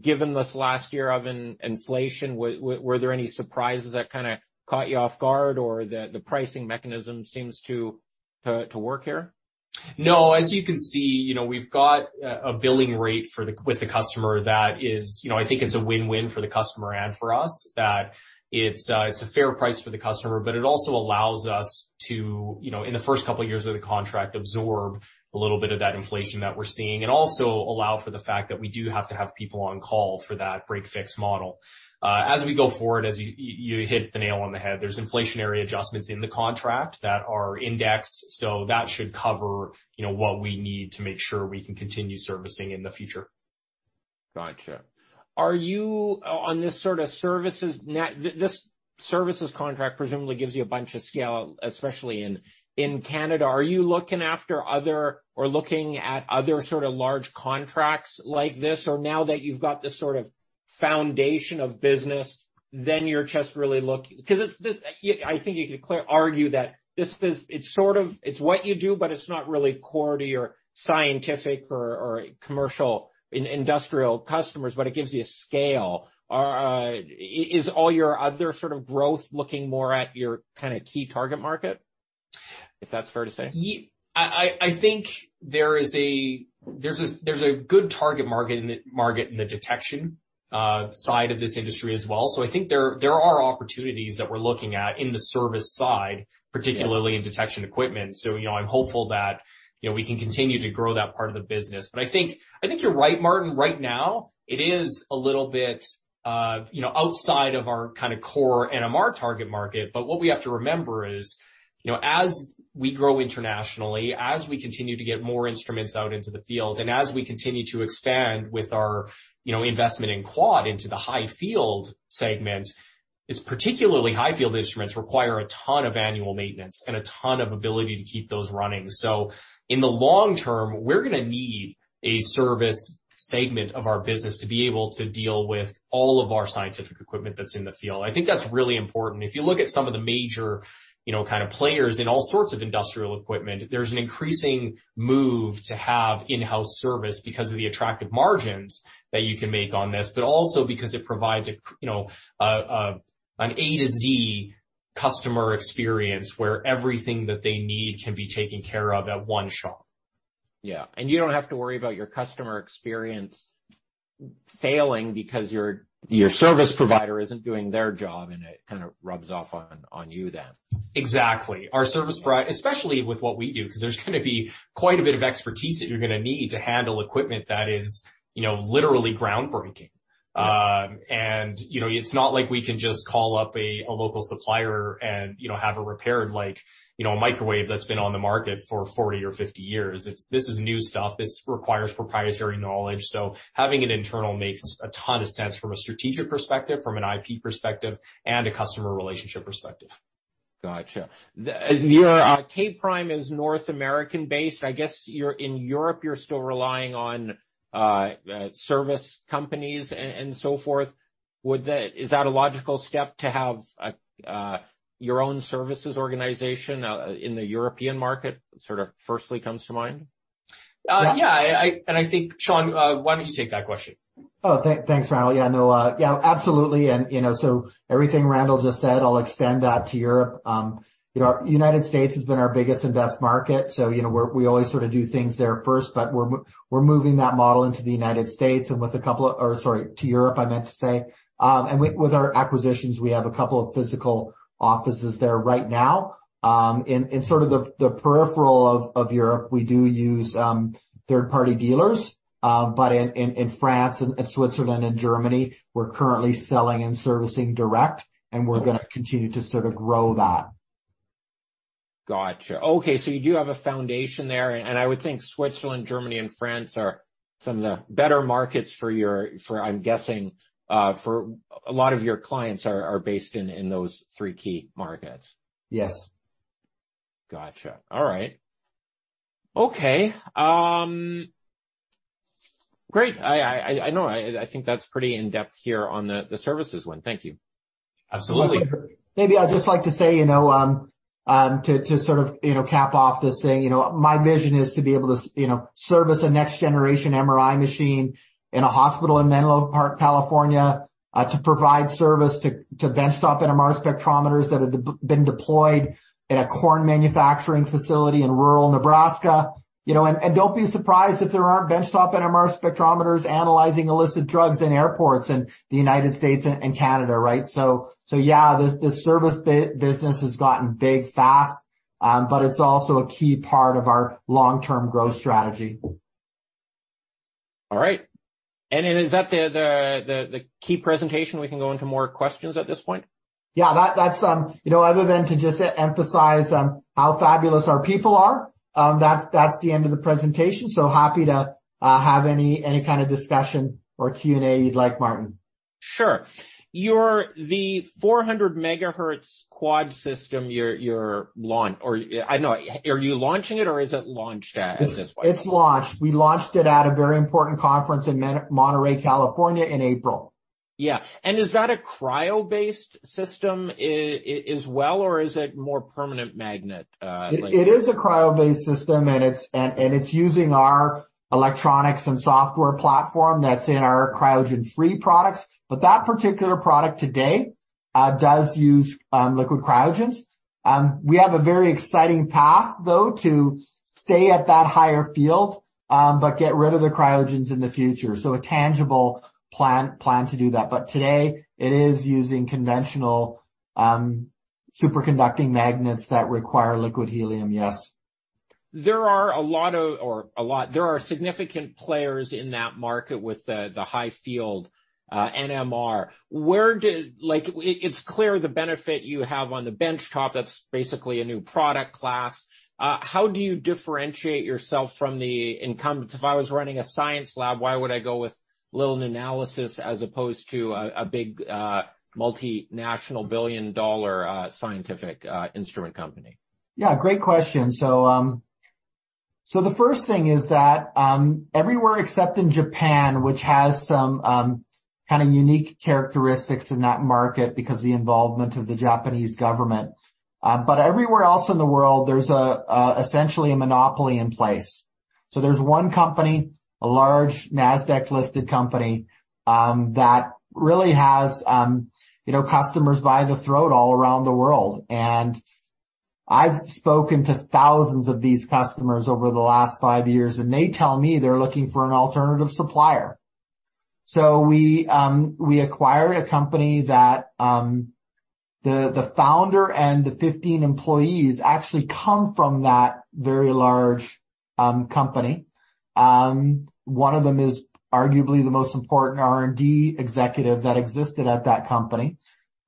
Given this last year of inflation, were there any surprises that kind of caught you off guard or the pricing mechanism seems to work here? No. As you can see, you know, we've got a billing rate with the customer that is, you know, I think it's a win-win for the customer and for us, that it's a fair price for the customer, but it also allows us to, you know, in the first couple of years of the contract, absorb a little bit of that inflation that we're seeing and also allow for the fact that we do have to have people on call for that break-fix model. As we go forward, as you hit the nail on the head, there's inflationary adjustments in the contract that are indexed. That should cover, you know, what we need to make sure we can continue servicing in the future. Gotcha. This services contract presumably gives you a bunch of scale, especially in Canada. Are you looking after other or looking at other sort of large contracts like this? Now that you've got this sort of foundation of business, then you're just really lucky, because I think you could clearly argue that this is, it's sort of, it's what you do, but it's not really core to your scientific or commercial industrial customers, but it gives you a scale. Is all your other sort of growth looking more at your kinda key target market, if that's fair to say? I think there is a good target market in the detection side of this industry as well. I think there are opportunities that we're looking at in the service side, particularly in detection equipment. You know, I'm hopeful that, you know, we can continue to grow that part of the business. I think you're right, Martin. Right now, it is a little bit, you know, outside of our kind of core NMR target market. What we have to remember is, you know, as we grow internationally, as we continue to get more instruments out into the field, and as we continue to expand with our, you know, investment in Quad into the high field segment, is particularly high field instruments require a ton of annual maintenance and a ton of ability to keep those running. In the long term, we're gonna need a service segment of our business to be able to deal with all of our scientific equipment that's in the field. I think that's really important. If you look at some of the major, you know, kind of players in all sorts of industrial equipment, there's an increasing move to have in-house service because of the attractive margins that you can make on this, but also because it provides a you know, an A to Z customer experience where everything that they need can be taken care of at one shop. Yeah. You don't have to worry about your customer experience failing because your service provider isn't doing their job, and it kind of rubs off on you then. Exactly. Especially with what we do, 'cause there's gonna be quite a bit of expertise that you're gonna need to handle equipment that is, you know, literally groundbreaking. You know, it's not like we can just call up a local supplier and, you know, have it repaired like, you know, a microwave that's been on the market for 40 or 50 years. This is new stuff. This requires proprietary knowledge. Having it internal makes a ton of sense from a strategic perspective, from an IP perspective, and a customer relationship perspective. Gotcha. Your K'(Prime) is North American-based. I guess in Europe, you're still relying on service companies and so forth. Is that a logical step to have your own services organization in the European market, sort of firstly comes to mind? Yeah. I think, Sean, why don't you take that question? Thanks, Randall. No, absolutely. Everything Randall just said, I'll extend that to Europe. United States has been our biggest and best market. We always sort of do things there first, but we're moving that model to Europe. With our acquisitions, we have a couple of physical offices there right now. In sort of the peripheral of Europe, we do use third-party dealers. In France and Switzerland and Germany, we're currently selling and servicing direct. We're going to continue to sort of grow that. Gotcha. Okay, you do have a foundation there. I would think Switzerland, Germany, and France are some of the better markets for, I'm guessing, for a lot of your clients are based in those three key markets. Yes. Gotcha. All right. Okay. great. I know, I think that's pretty in-depth here on the services one. Thank you. Absolutely. Maybe I'd just like to say, you know, to sort of, you know, cap off this thing, you know, my vision is to be able to service you know, a next-generation MRI machine in a hospital in Menlo Park, California, to provide service to benchtop NMR spectrometers that have been deployed in a corn manufacturing facility in rural Nebraska. You know, don't be surprised if there aren't benchtop NMR spectrometers analyzing illicit drugs in airports in the United States and Canada, right? Yeah, this service business has gotten big fast, but it's also a key part of our long-term growth strategy. All right. Is that the key presentation? We can go into more questions at this point. Yeah, that's, you know, other than to just emphasize how fabulous our people are, that's the end of the presentation. Happy to have any kind of discussion or Q&A you'd like, Martin. Sure. Your the 400 MHz quad system or I know. Are you launching it or is it launched at this point? It's launched. We launched it at a very important conference in Monterey, California, in April. Yeah. Is that a cryo-based system as well, or is it more permanent magnet? It is a cryo-based system, and it's using our electronics and software platform that's in our cryogen-free products. That particular product today does use liquid cryogens. We have a very exciting path, though, to stay at that higher field, but get rid of the cryogens in the future. A tangible plan to do that. Today it is using conventional superconducting magnets that require liquid helium, yes. There are significant players in that market with the high field NMR. Like, it's clear the benefit you have on the benchtop, that's basically a new product class. How do you differentiate yourself from the incumbents? If I was running a science lab, why would I go with Nanalysis as opposed to a big multinational billion-dollar scientific instrument company? Yeah, great question. The first thing is that everywhere except in Japan, which has some kind of unique characteristics in that market because the involvement of the Japanese government, but everywhere else in the world, there's essentially a monopoly in place. There's one company, a large NASDAQ-listed company, that really has, you know, customers by the throat all around the world. I've spoken to thousands of these customers over the last five years, and they tell me they're looking for an alternative supplier. We acquired a company that the founder and the 15 employees actually come from that very large company. One of them is arguably the most important R&D executive that existed at that company.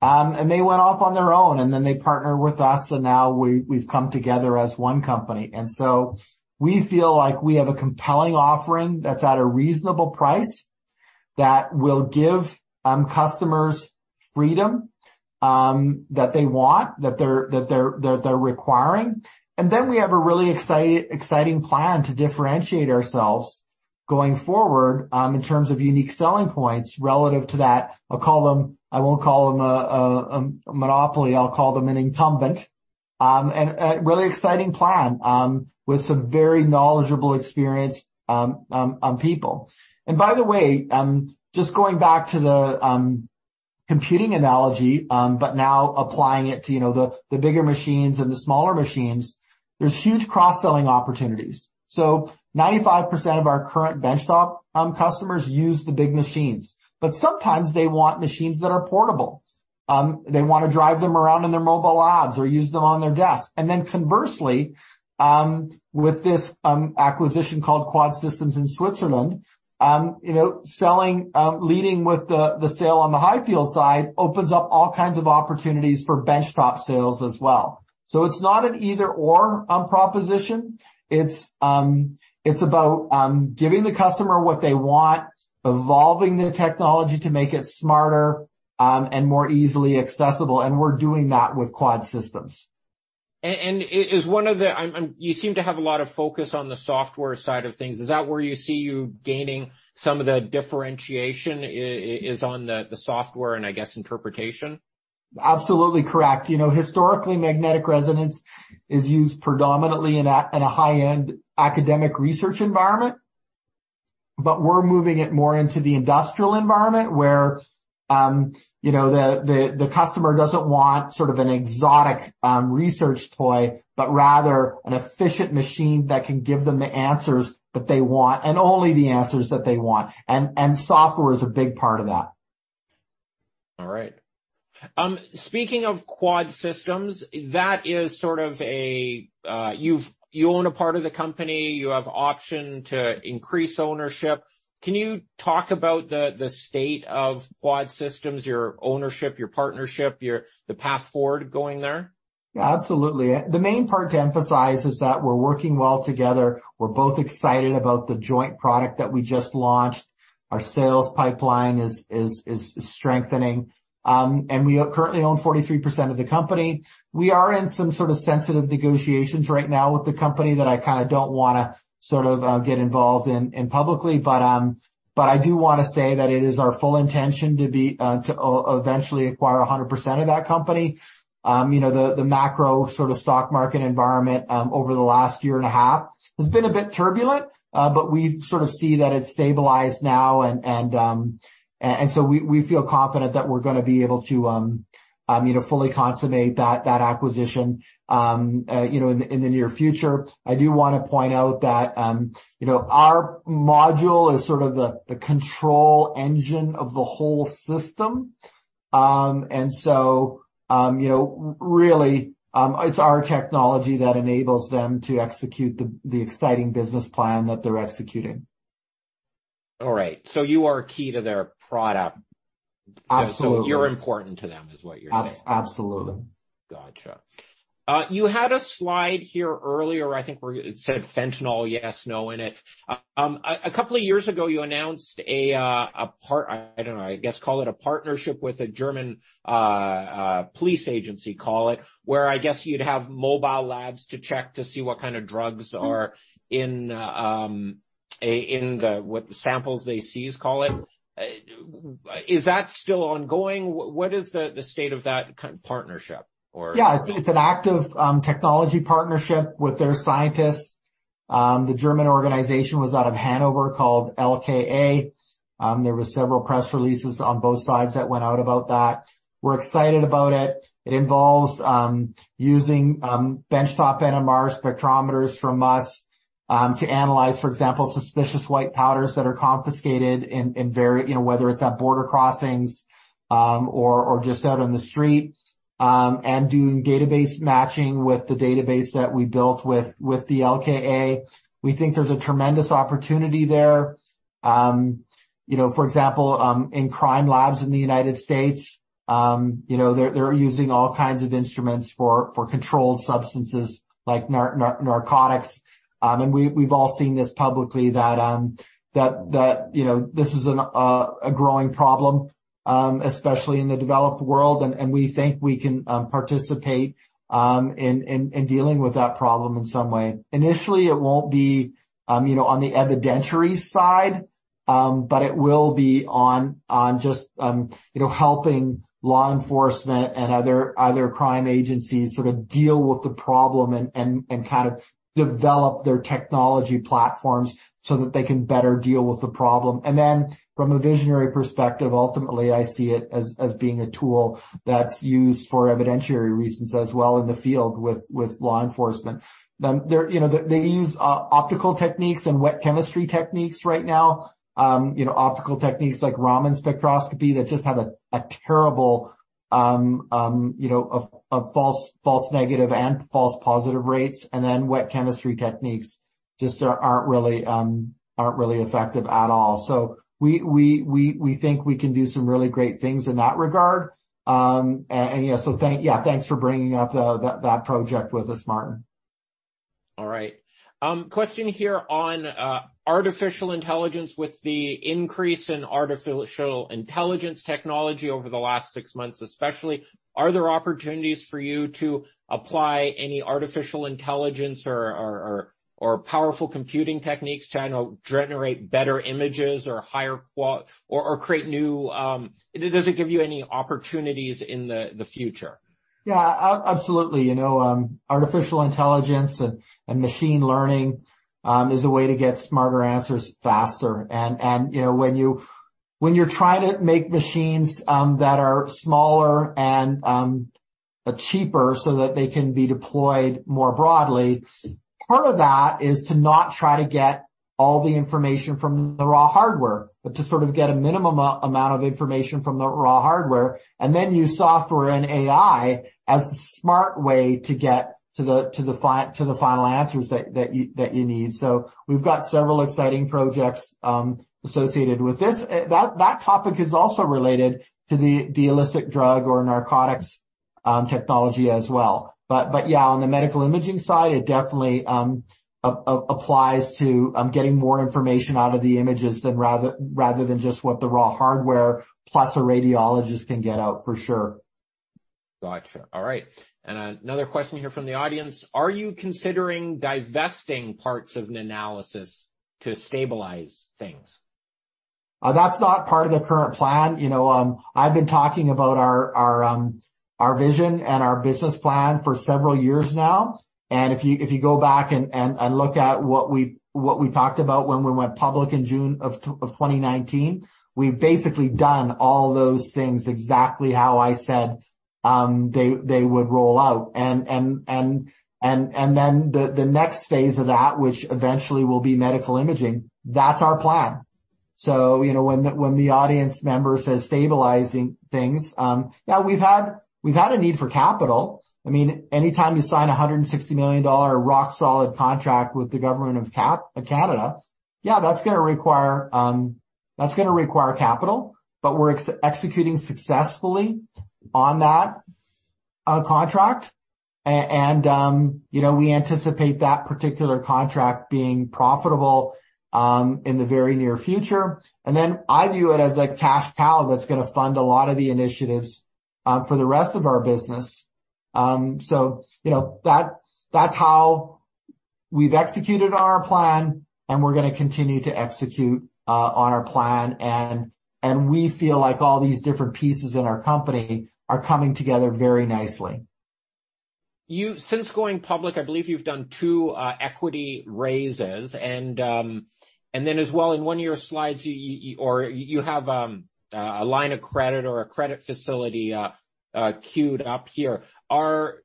They went off on their own, then they partnered with us, now we've come together as one company. We feel like we have a compelling offering that's at a reasonable price, that will give customers freedom that they want, that they're requiring. We have a really exciting plan to differentiate ourselves going forward in terms of unique selling points relative to that. I won't call them a monopoly, I'll call them an incumbent. A really exciting plan with some very knowledgeable, experienced people. By the way, just going back to the computing analogy, but now applying it to, you know, the bigger machines and the smaller machines, there's huge cross-selling opportunities. 95% of our current benchtop customers use the big machines, but sometimes they want machines that are portable. They wanna drive them around in their mobile labs or use them on their desk. Conversely, with this acquisition called Quad Systems in Switzerland, you know, selling, leading with the sale on the high field side opens up all kinds of opportunities for benchtop sales as well. It's not an either/or proposition. It's about giving the customer what they want, evolving the technology to make it smarter, and more easily accessible, and we're doing that with Quad Systems. You seem to have a lot of focus on the software side of things. Is that where you see you gaining some of the differentiation is on the software and I guess interpretation? Absolutely correct. You know, historically, magnetic resonance is used predominantly in a high-end academic research environment, but we're moving it more into the industrial environment where, you know, the customer doesn't want sort of an exotic research toy, but rather an efficient machine that can give them the answers that they want and only the answers that they want. Software is a big part of that. All right. Speaking of Quad Systems, that is sort of a, you own a part of the company, you have option to increase ownership. Can you talk about the state of Quad Systems, your ownership, your partnership, the path forward going there? Yeah, absolutely. The main part to emphasize is that we're working well together. We're both excited about the joint product that we just launched. Our sales pipeline is strengthening. We currently own 43% of the company. We are in some sort of sensitive negotiations right now with the company that I kinda don't wanna sort of get involved in publicly. I do wanna say that it is our full intention to be to eventually acquire 100% of that company. You know, the macro sort of stock market environment over the last year and a half has been a bit turbulent, but we sort of see that it's stabilized now and so we feel confident that we're gonna be able to, you know, fully consummate that acquisition, you know, in the near future. I do wanna point out that, you know, our module is sort of the control engine of the whole system. You know, really, it's our technology that enables them to execute the exciting business plan that they're executing. All right. You are key to their product. Absolutely. You're important to them, is what you're saying. Absolutely. Gotcha. You had a slide here earlier, I think where it said fentanyl yes/no in it. A couple of years ago, you announced, I don't know, I guess call it a partnership with a German police agency, call it, where I guess you'd have mobile labs to check to see what kind of drugs are in the samples they seize, call it. Is that still ongoing? What is the state of that partnership? Yeah, it's an active technology partnership with their scientists. The German organization was out of Hanover called LKA. There were several press releases on both sides that went out about that. We're excited about it. It involves using benchtop NMR spectrometers from us to analyze, for example, suspicious white powders that are confiscated in very, you know, whether it's at border crossings or just out on the street, and doing database matching with the database that we built with the LKA. We think there's a tremendous opportunity there. You know, for example, in crime labs in the U.S., you know, they're using all kinds of instruments for controlled substances like narcotics. We, we've all seen this publicly that, you know, this is a growing problem, especially in the developed world, and we think we can participate in dealing with that problem in some way. Initially, it won't be, you know, on the evidentiary side, but it will be on just, you know, helping law enforcement and other crime agencies sort of deal with the problem and kind of develop their technology platforms so that they can better deal with the problem. Then from a visionary perspective, ultimately, I see it as being a tool that's used for evidentiary reasons as well in the field with law enforcement. They're, you know, they use optical techniques and wet chemistry techniques right now. Optical techniques like Raman spectroscopy that just have a terrible, you know, a false negative and false positive rates. Wet chemistry techniques just aren't really effective at all. We think we can do some really great things in that regard. Thanks for bringing up the project with us, Martin. All right. Question here on artificial intelligence. With the increase in artificial intelligence technology over the last six months especially, are there opportunities for you to apply any artificial intelligence or powerful computing techniques to, you know, generate better images or create new? Does it give you any opportunities in the future? Yeah. Absolutely, you know, artificial intelligence and machine learning is a way to get smarter answers faster. You know, when you're trying to make machines that are smaller and cheaper so that they can be deployed more broadly, part of that is to not try to get all the information from the raw hardware, but to sort of get a minimum amount of information from the raw hardware, then use software and AI as the smart way to get to the final answers that you need. We've got several exciting projects associated with this. That topic is also related to the illicit drug or narcotics technology as well. Yeah, on the medical imaging side, it definitely applies to getting more information out of the images than rather than just what the raw hardware plus a radiologist can get out, for sure. Gotcha. All right. Another question here from the audience: Are you considering divesting parts of Nanalysis to stabilize things? That's not part of the current plan. You know, I've been talking about our vision and our business plan for several years now. If you go back and look at what we talked about when we went public in June of 2019, we've basically done all those things exactly how I said they would roll out. Then the next phase of that, which eventually will be medical imaging, that's our plan. You know, when the audience member says stabilizing things, yeah, we've had a need for capital. I mean, anytime you sign a 160 million dollar rock solid contract with the government of Canada, yeah, that's going to require capital. We're executing successfully on that, on contract. You know, we anticipate that particular contract being profitable in the very near future. I view it as a cash cow that's gonna fund a lot of the initiatives for the rest of our business. You know, that's how we've executed on our plan, and we're gonna continue to execute on our plan. We feel like all these different pieces in our company are coming together very nicely. Since going public, I believe you've done two equity raises. As well in one of your slides, or you have a line of credit or a credit facility queued up here. Are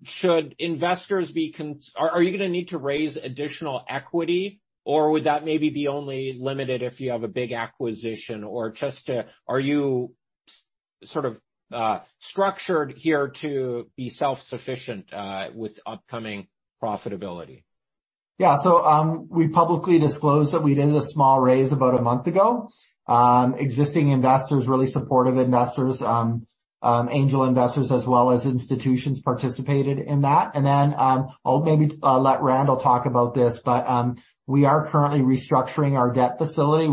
you gonna need to raise additional equity, or would that maybe be only limited if you have a big acquisition or just? Are you sort of structured here to be self-sufficient with upcoming profitability? Yeah. We publicly disclosed that we did a small raise about a month ago. Existing investors, really supportive investors, angel investors as well as institutions participated in that. Then, I'll maybe let Randall talk about this, but we are currently restructuring our debt facility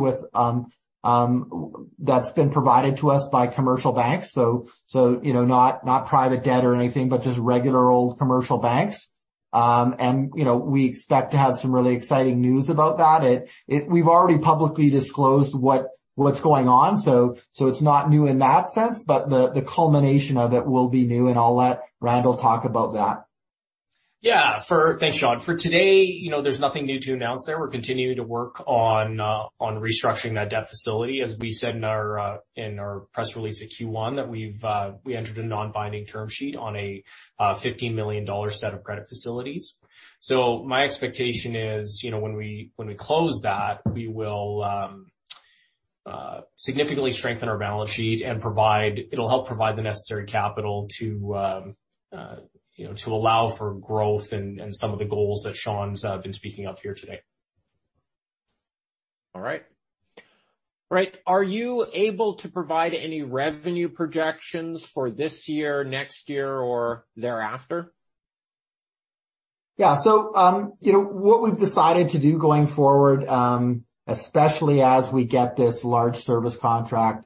that's been provided to us by commercial banks. You know, not private debt or anything, but just regular old commercial banks. You know, we expect to have some really exciting news about that. We've already publicly disclosed what's going on, so it's not new in that sense. The culmination of it will be new, and I'll let Randall talk about that. Thanks, Sean. For today, you know, there's nothing new to announce there. We're continuing to work on restructuring that debt facility. As we said in our press release at Q1 that we've, we entered a non-binding term sheet on a 15 million dollar set of credit facilities. My expectation is, you know, when we, when we close that, we will significantly strengthen our balance sheet and it'll help provide the necessary capital to, you know, to allow for growth and some of the goals that Sean's been speaking of here today. All right. Right. Are you able to provide any revenue projections for this year, next year, or thereafter? Yeah. What we've decided to do going forward, especially as we get this large service contract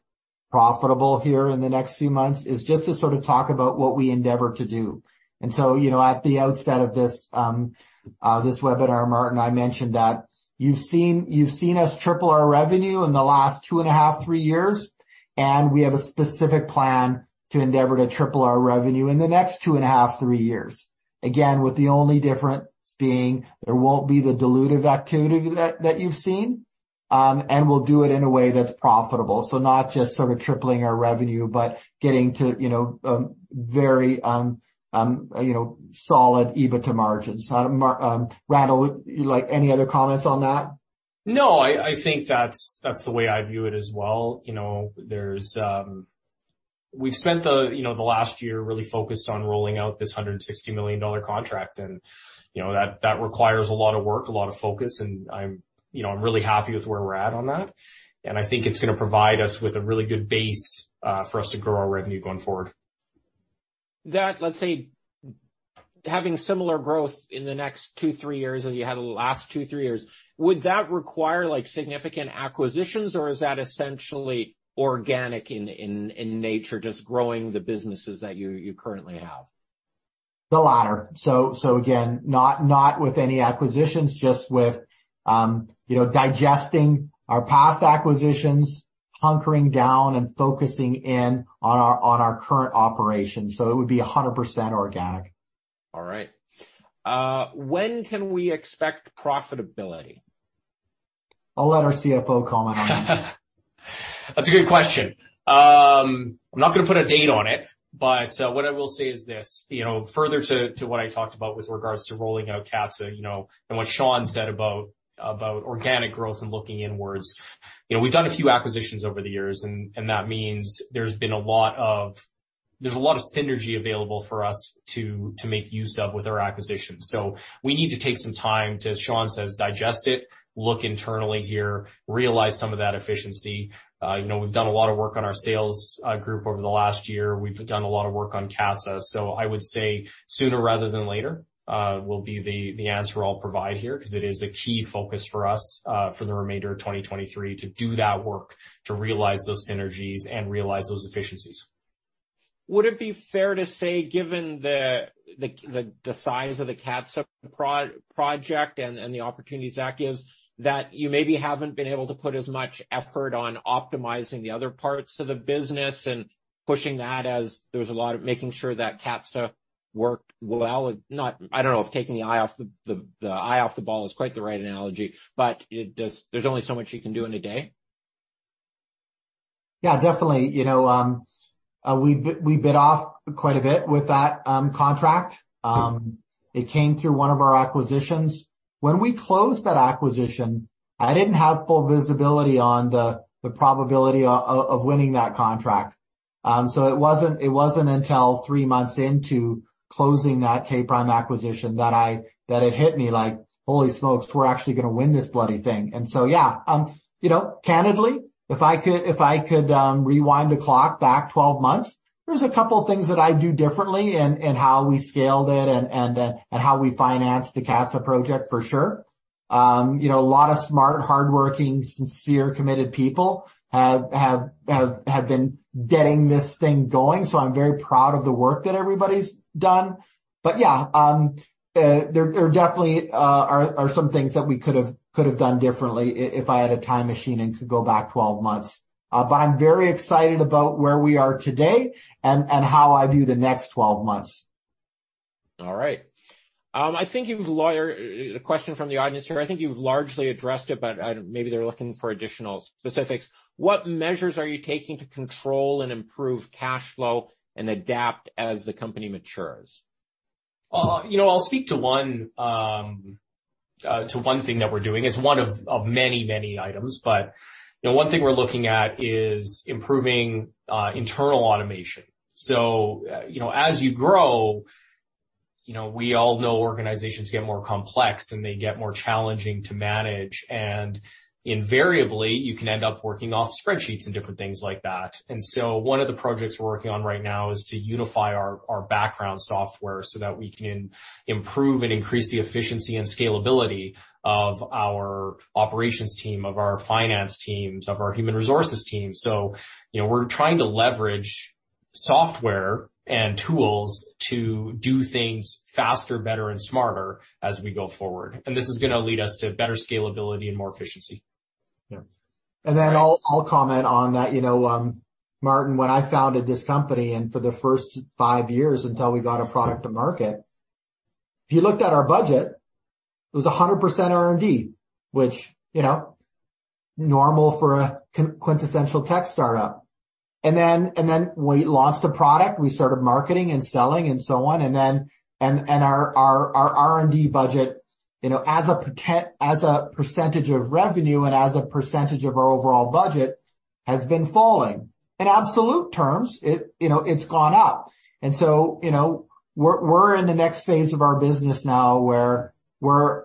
profitable here in the next few months, is just to sort of talk about what we endeavor to do. At the outset of this webinar, Martin, I mentioned that you've seen us triple our revenue in the last two and a half, three years, and we have a specific plan to endeavor to triple our revenue in the next two and a half, three years. Again, with the only difference being there won't be the dilutive activity that you've seen. We'll do it in a way that's profitable. Not just sort of tripling our revenue, but getting to very solid EBITDA margins. Randall, any other comments on that? No, I think that's the way I view it as well. You know, there's We've spent the, you know, the last year really focused on rolling out this 160 million dollar contract and, you know, that requires a lot of work, a lot of focus, and I'm, you know, I'm really happy with where we're at on that. I think it's gonna provide us with a really good base for us to grow our revenue going forward. Let's say having similar growth in the next two, three years as you had the last two, three years, would that require like significant acquisitions, or is that essentially organic in nature, just growing the businesses that you currently have? The latter. Again, not with any acquisitions, just with, you know, digesting our past acquisitions, hunkering down and focusing in on our current operations. It would be 100% organic. All right. When can we expect profitability? I'll let our CFO comment on that. That's a good question. I'm not gonna put a date on it, but what I will say is this, you know, further to what I talked about with regards to rolling out CATSA, you know, and what Sean said about organic growth and looking inwards. You know, we've done a few acquisitions over the years, and that means there's a lot of synergy available for us to make use of with our acquisitions. We need to take some time to, as Sean says, digest it, look internally here, realize some of that efficiency. You know, we've done a lot of work on our sales group over the last year. We've done a lot of work on CATSA. I would say sooner rather than later will be the answer I'll provide here, 'cause it is a key focus for us for the remainder of 2023 to do that work, to realize those synergies and realize those efficiencies. Would it be fair to say, given the size of the CATSA project and the opportunities that gives, you maybe haven't been able to put as much effort on optimizing the other parts of the business and pushing that as there's a lot of making sure that CATSA worked well? I don't know if taking the eye off the ball is quite the right analogy, but there's only so much you can do in a day. Yeah, definitely. You know, we bit off quite a bit with that contract. It came through one of our acquisitions. When we closed that acquisition, I didn't have full visibility on the probability of winning that contract. It wasn't until three months into closing that K'(Prime) acquisition that it hit me like, "Holy smokes, we're actually gonna win this bloody thing." Yeah, you know, candidly, if I could rewind the clock back 12 months, there's a couple things that I'd do differently in how we scaled it and how we financed the CATSA project, for sure. You know, a lot of smart, hardworking, sincere, committed people have been getting this thing going, so I'm very proud of the work that everybody's done. Yeah, there definitely are some things that we could've done differently if I had a time machine and could go back 12 months. I'm very excited about where we are today and how I view the next 12 months. All right. I think you've a question from the audience here. I think you've largely addressed it, but maybe they're looking for additional specifics. What measures are you taking to control and improve cash flow and adapt as the company matures? You know, I'll speak to one thing that we're doing. It's one of many, many items but, you know, one thing we're looking at is improving internal automation. You know, as you grow, you know, we all know organizations get more complex, and they get more challenging to manage. Invariably, you can end up working off spreadsheets and different things like that. One of the projects we're working on right now is to unify our background software so that we can improve and increase the efficiency and scalability of our operations team, of our finance teams, of our human resources team. You know, we're trying to leverage software and tools to do things faster, better and smarter as we go forward. This is gonna lead us to better scalability and more efficiency. Yeah. Then I'll comment on that. You know, Martin, when I founded this company and for the first five years until we got a product to market, if you looked at our budget, it was 100% R&D, which, you know, normal for a quintessential tech startup. Then we launched a product, we started marketing and selling and so on, and our R&D budget, you know, as a percentage of revenue and as a percentage of our overall budget has been falling. In absolute terms, it, you know, it's gone up. So, you know, we're in the next phase of our business now, where we're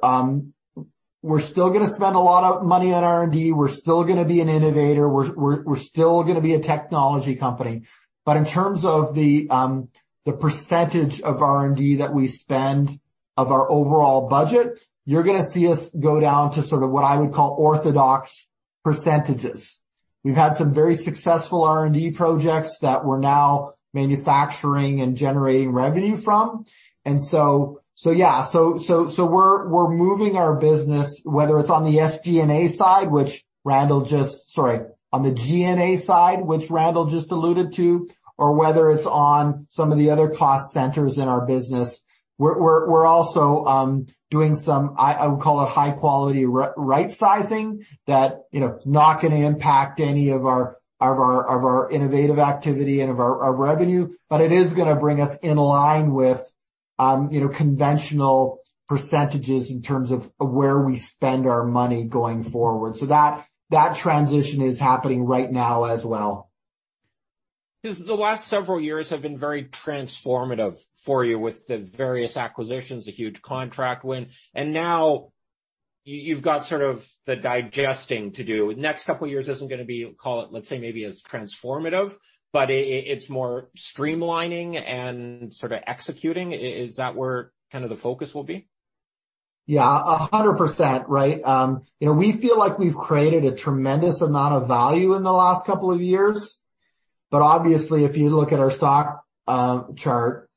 still gonna spend a lot of money on R&D, we're still gonna be an innovator, we're still gonna be a technology company. In terms of the percentage of R&D that we spend of our overall budget, you're gonna see us go down to sort of what I would call orthodox percentages. We've had some very successful R&D projects that we're now manufacturing and generating revenue from. So yeah, we're moving our business, whether it's on the SG&A side, sorry, on the G&A side, which Randall just alluded to, or whether it's on some of the other cost centers in our business. We're also doing some, I would call it high quality right sizing that, you know, not gonna impact any of our innovative activity and of our revenue, but it is gonna bring us in line with, you know, conventional percentages in terms of where we spend our money going forward. That transition is happening right now as well. The last several years have been very transformative for you with the various acquisitions, the huge contract win, and now you've got sort of the digesting to do. Next couple of years isn't gonna be, call it, let's say, maybe as transformative, but it's more streamlining and sort of executing. Is that where kind of the focus will be? Yeah, 100%, right? You know, we feel like we've created a tremendous amount of value in the last couple of years years. Obviously, if you look at our stock chart,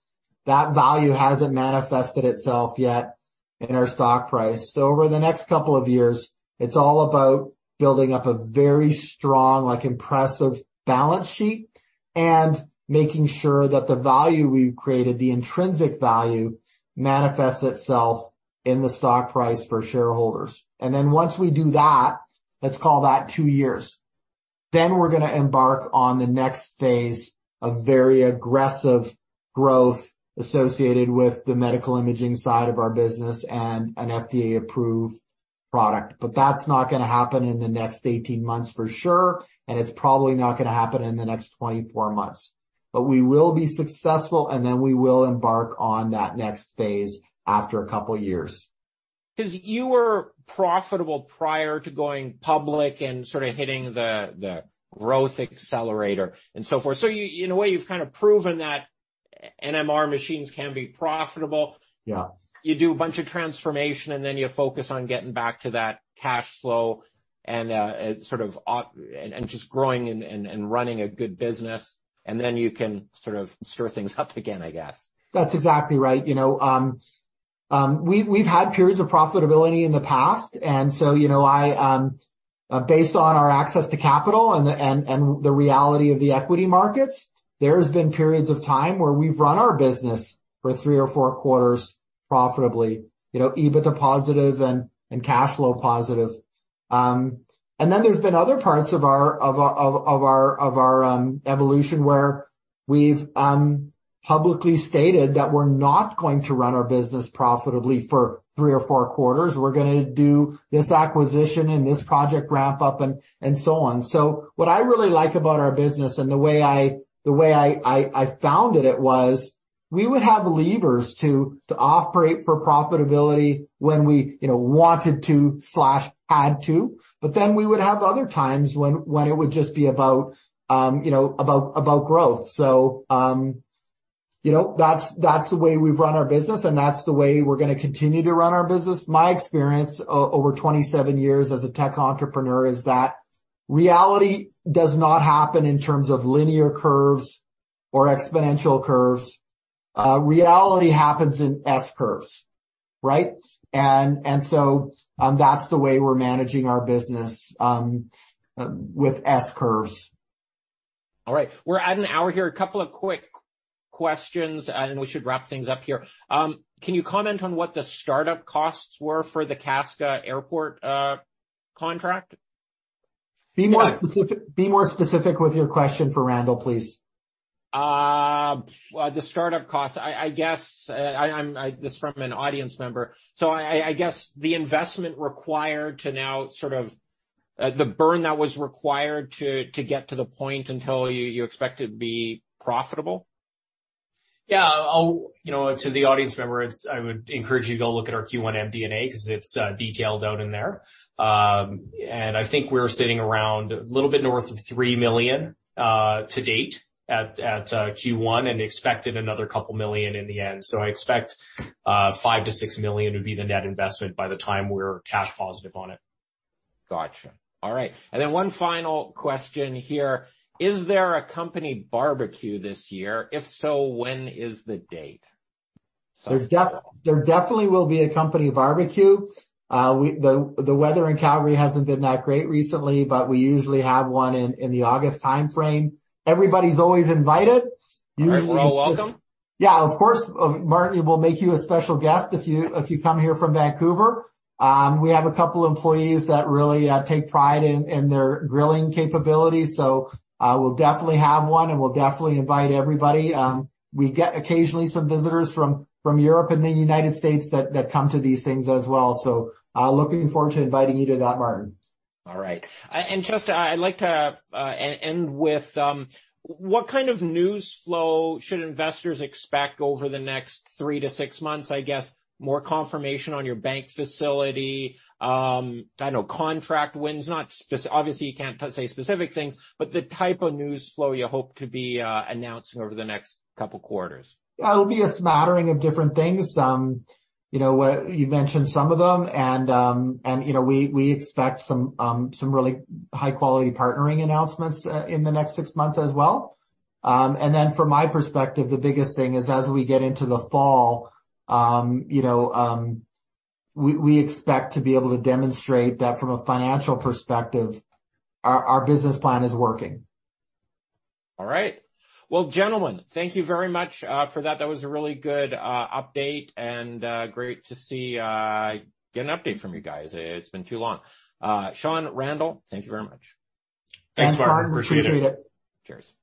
that value hasn't manifested itself yet in our stock price. Over the next couple of years, it's all about building up a very strong, like, impressive balance sheet and making sure that the value we've created, the intrinsic value manifests itself in the stock price for shareholders. Then once we do that, let's call that two years, then we're gonna embark on the next phase of very aggressive growth associated with the medical imaging side of our business and an FDA-approved product. That's not gonna happen in the next 18 months for sure, and it's probably not gonna happen in the next 24 months. We will be successful, and then we will embark on that next phase after a couple of years. You were profitable prior to going public and sort of hitting the growth accelerator and so forth. In a way, you've kind of proven that NMR machines can be profitable. Yeah. You do a bunch of transformation, and then you focus on getting back to that cash flow and, sort of just growing and running a good business, and then you can sort of stir things up again, I guess. That's exactly right. You know, we've had periods of profitability in the past, you know, I, based on our access to capital and the reality of the equity markets, there has been periods of time where we've run our business for three or four quarters profitably, you know, EBITDA positive and cash flow positive. And then there's been other parts of our evolution where we've publicly stated that we're not going to run our business profitably for three or four quarters. We're gonna do this acquisition and this project ramp up and so on. What I really like about our business and the way I founded it was we would have levers to operate for profitability when we, you know, wanted to/had to, we would have other times when it would just be about, you know, about growth. You know, that's the way we've run our business, and that's the way we're going to continue to run our business. My experience over 27 years as a tech entrepreneur is that reality does not happen in terms of linear curves or exponential curves. Reality happens in S curves. That's the way we're managing our business with S curves. All right. We're at an hour here. A couple of quick questions, then we should wrap things up here. Can you comment on what the startup costs were for the CATSA Airport contract? Be more specific, be more specific with your question for Randall, please. The startup cost. I guess this is from an audience member. I guess the investment required to now sort of, the burn that was required to get to the point until you expect to be profitable. You know, to the audience member, I would encourage you to go look at our Q1 MD&A because it's detailed out in there. I think we're sitting around a little bit north of 3 million to date at Q1 and expected another 2 million in the end. I expect 5 million-6 million would be the net investment by the time we're cash positive on it. Gotcha. All right. Then one final question here. Is there a company barbecue this year? If so, when is the date? There definitely will be a company barbecue. The weather in Calgary hasn't been that great recently, but we usually have one in the August timeframe. Everybody's always invited. We're all welcome? Yeah, of course. Martin, we'll make you a special guest if you, if you come here from Vancouver. We have a couple employees that really take pride in their grilling capabilities, so we'll definitely have one, and we'll definitely invite everybody. We get occasionally some visitors from Europe and the United States that come to these things as well. Looking forward to inviting you to that, Martin. All right. Just, I'd like to end with, what kind of news flow should investors expect over the next three to six months? I guess more confirmation on your bank facility, I don't know, contract wins, obviously, you can't say specific things, but the type of news flow you hope to be announcing over the next couple quarters. It'll be a smattering of different things. You know, you mentioned some of them and, you know, we expect some really high-quality partnering announcements, in the next six months as well. From my perspective, the biggest thing is as we get into the fall, you know, we expect to be able to demonstrate that from a financial perspective, our business plan is working. All right. Well, gentlemen, thank you very much for that. That was a really good update and great to see, get an update from you guys. It has been too long. Sean, Randall, thank you very much. Thanks, Martin. Appreciate it. Thanks, Martin. Appreciate it. Cheers.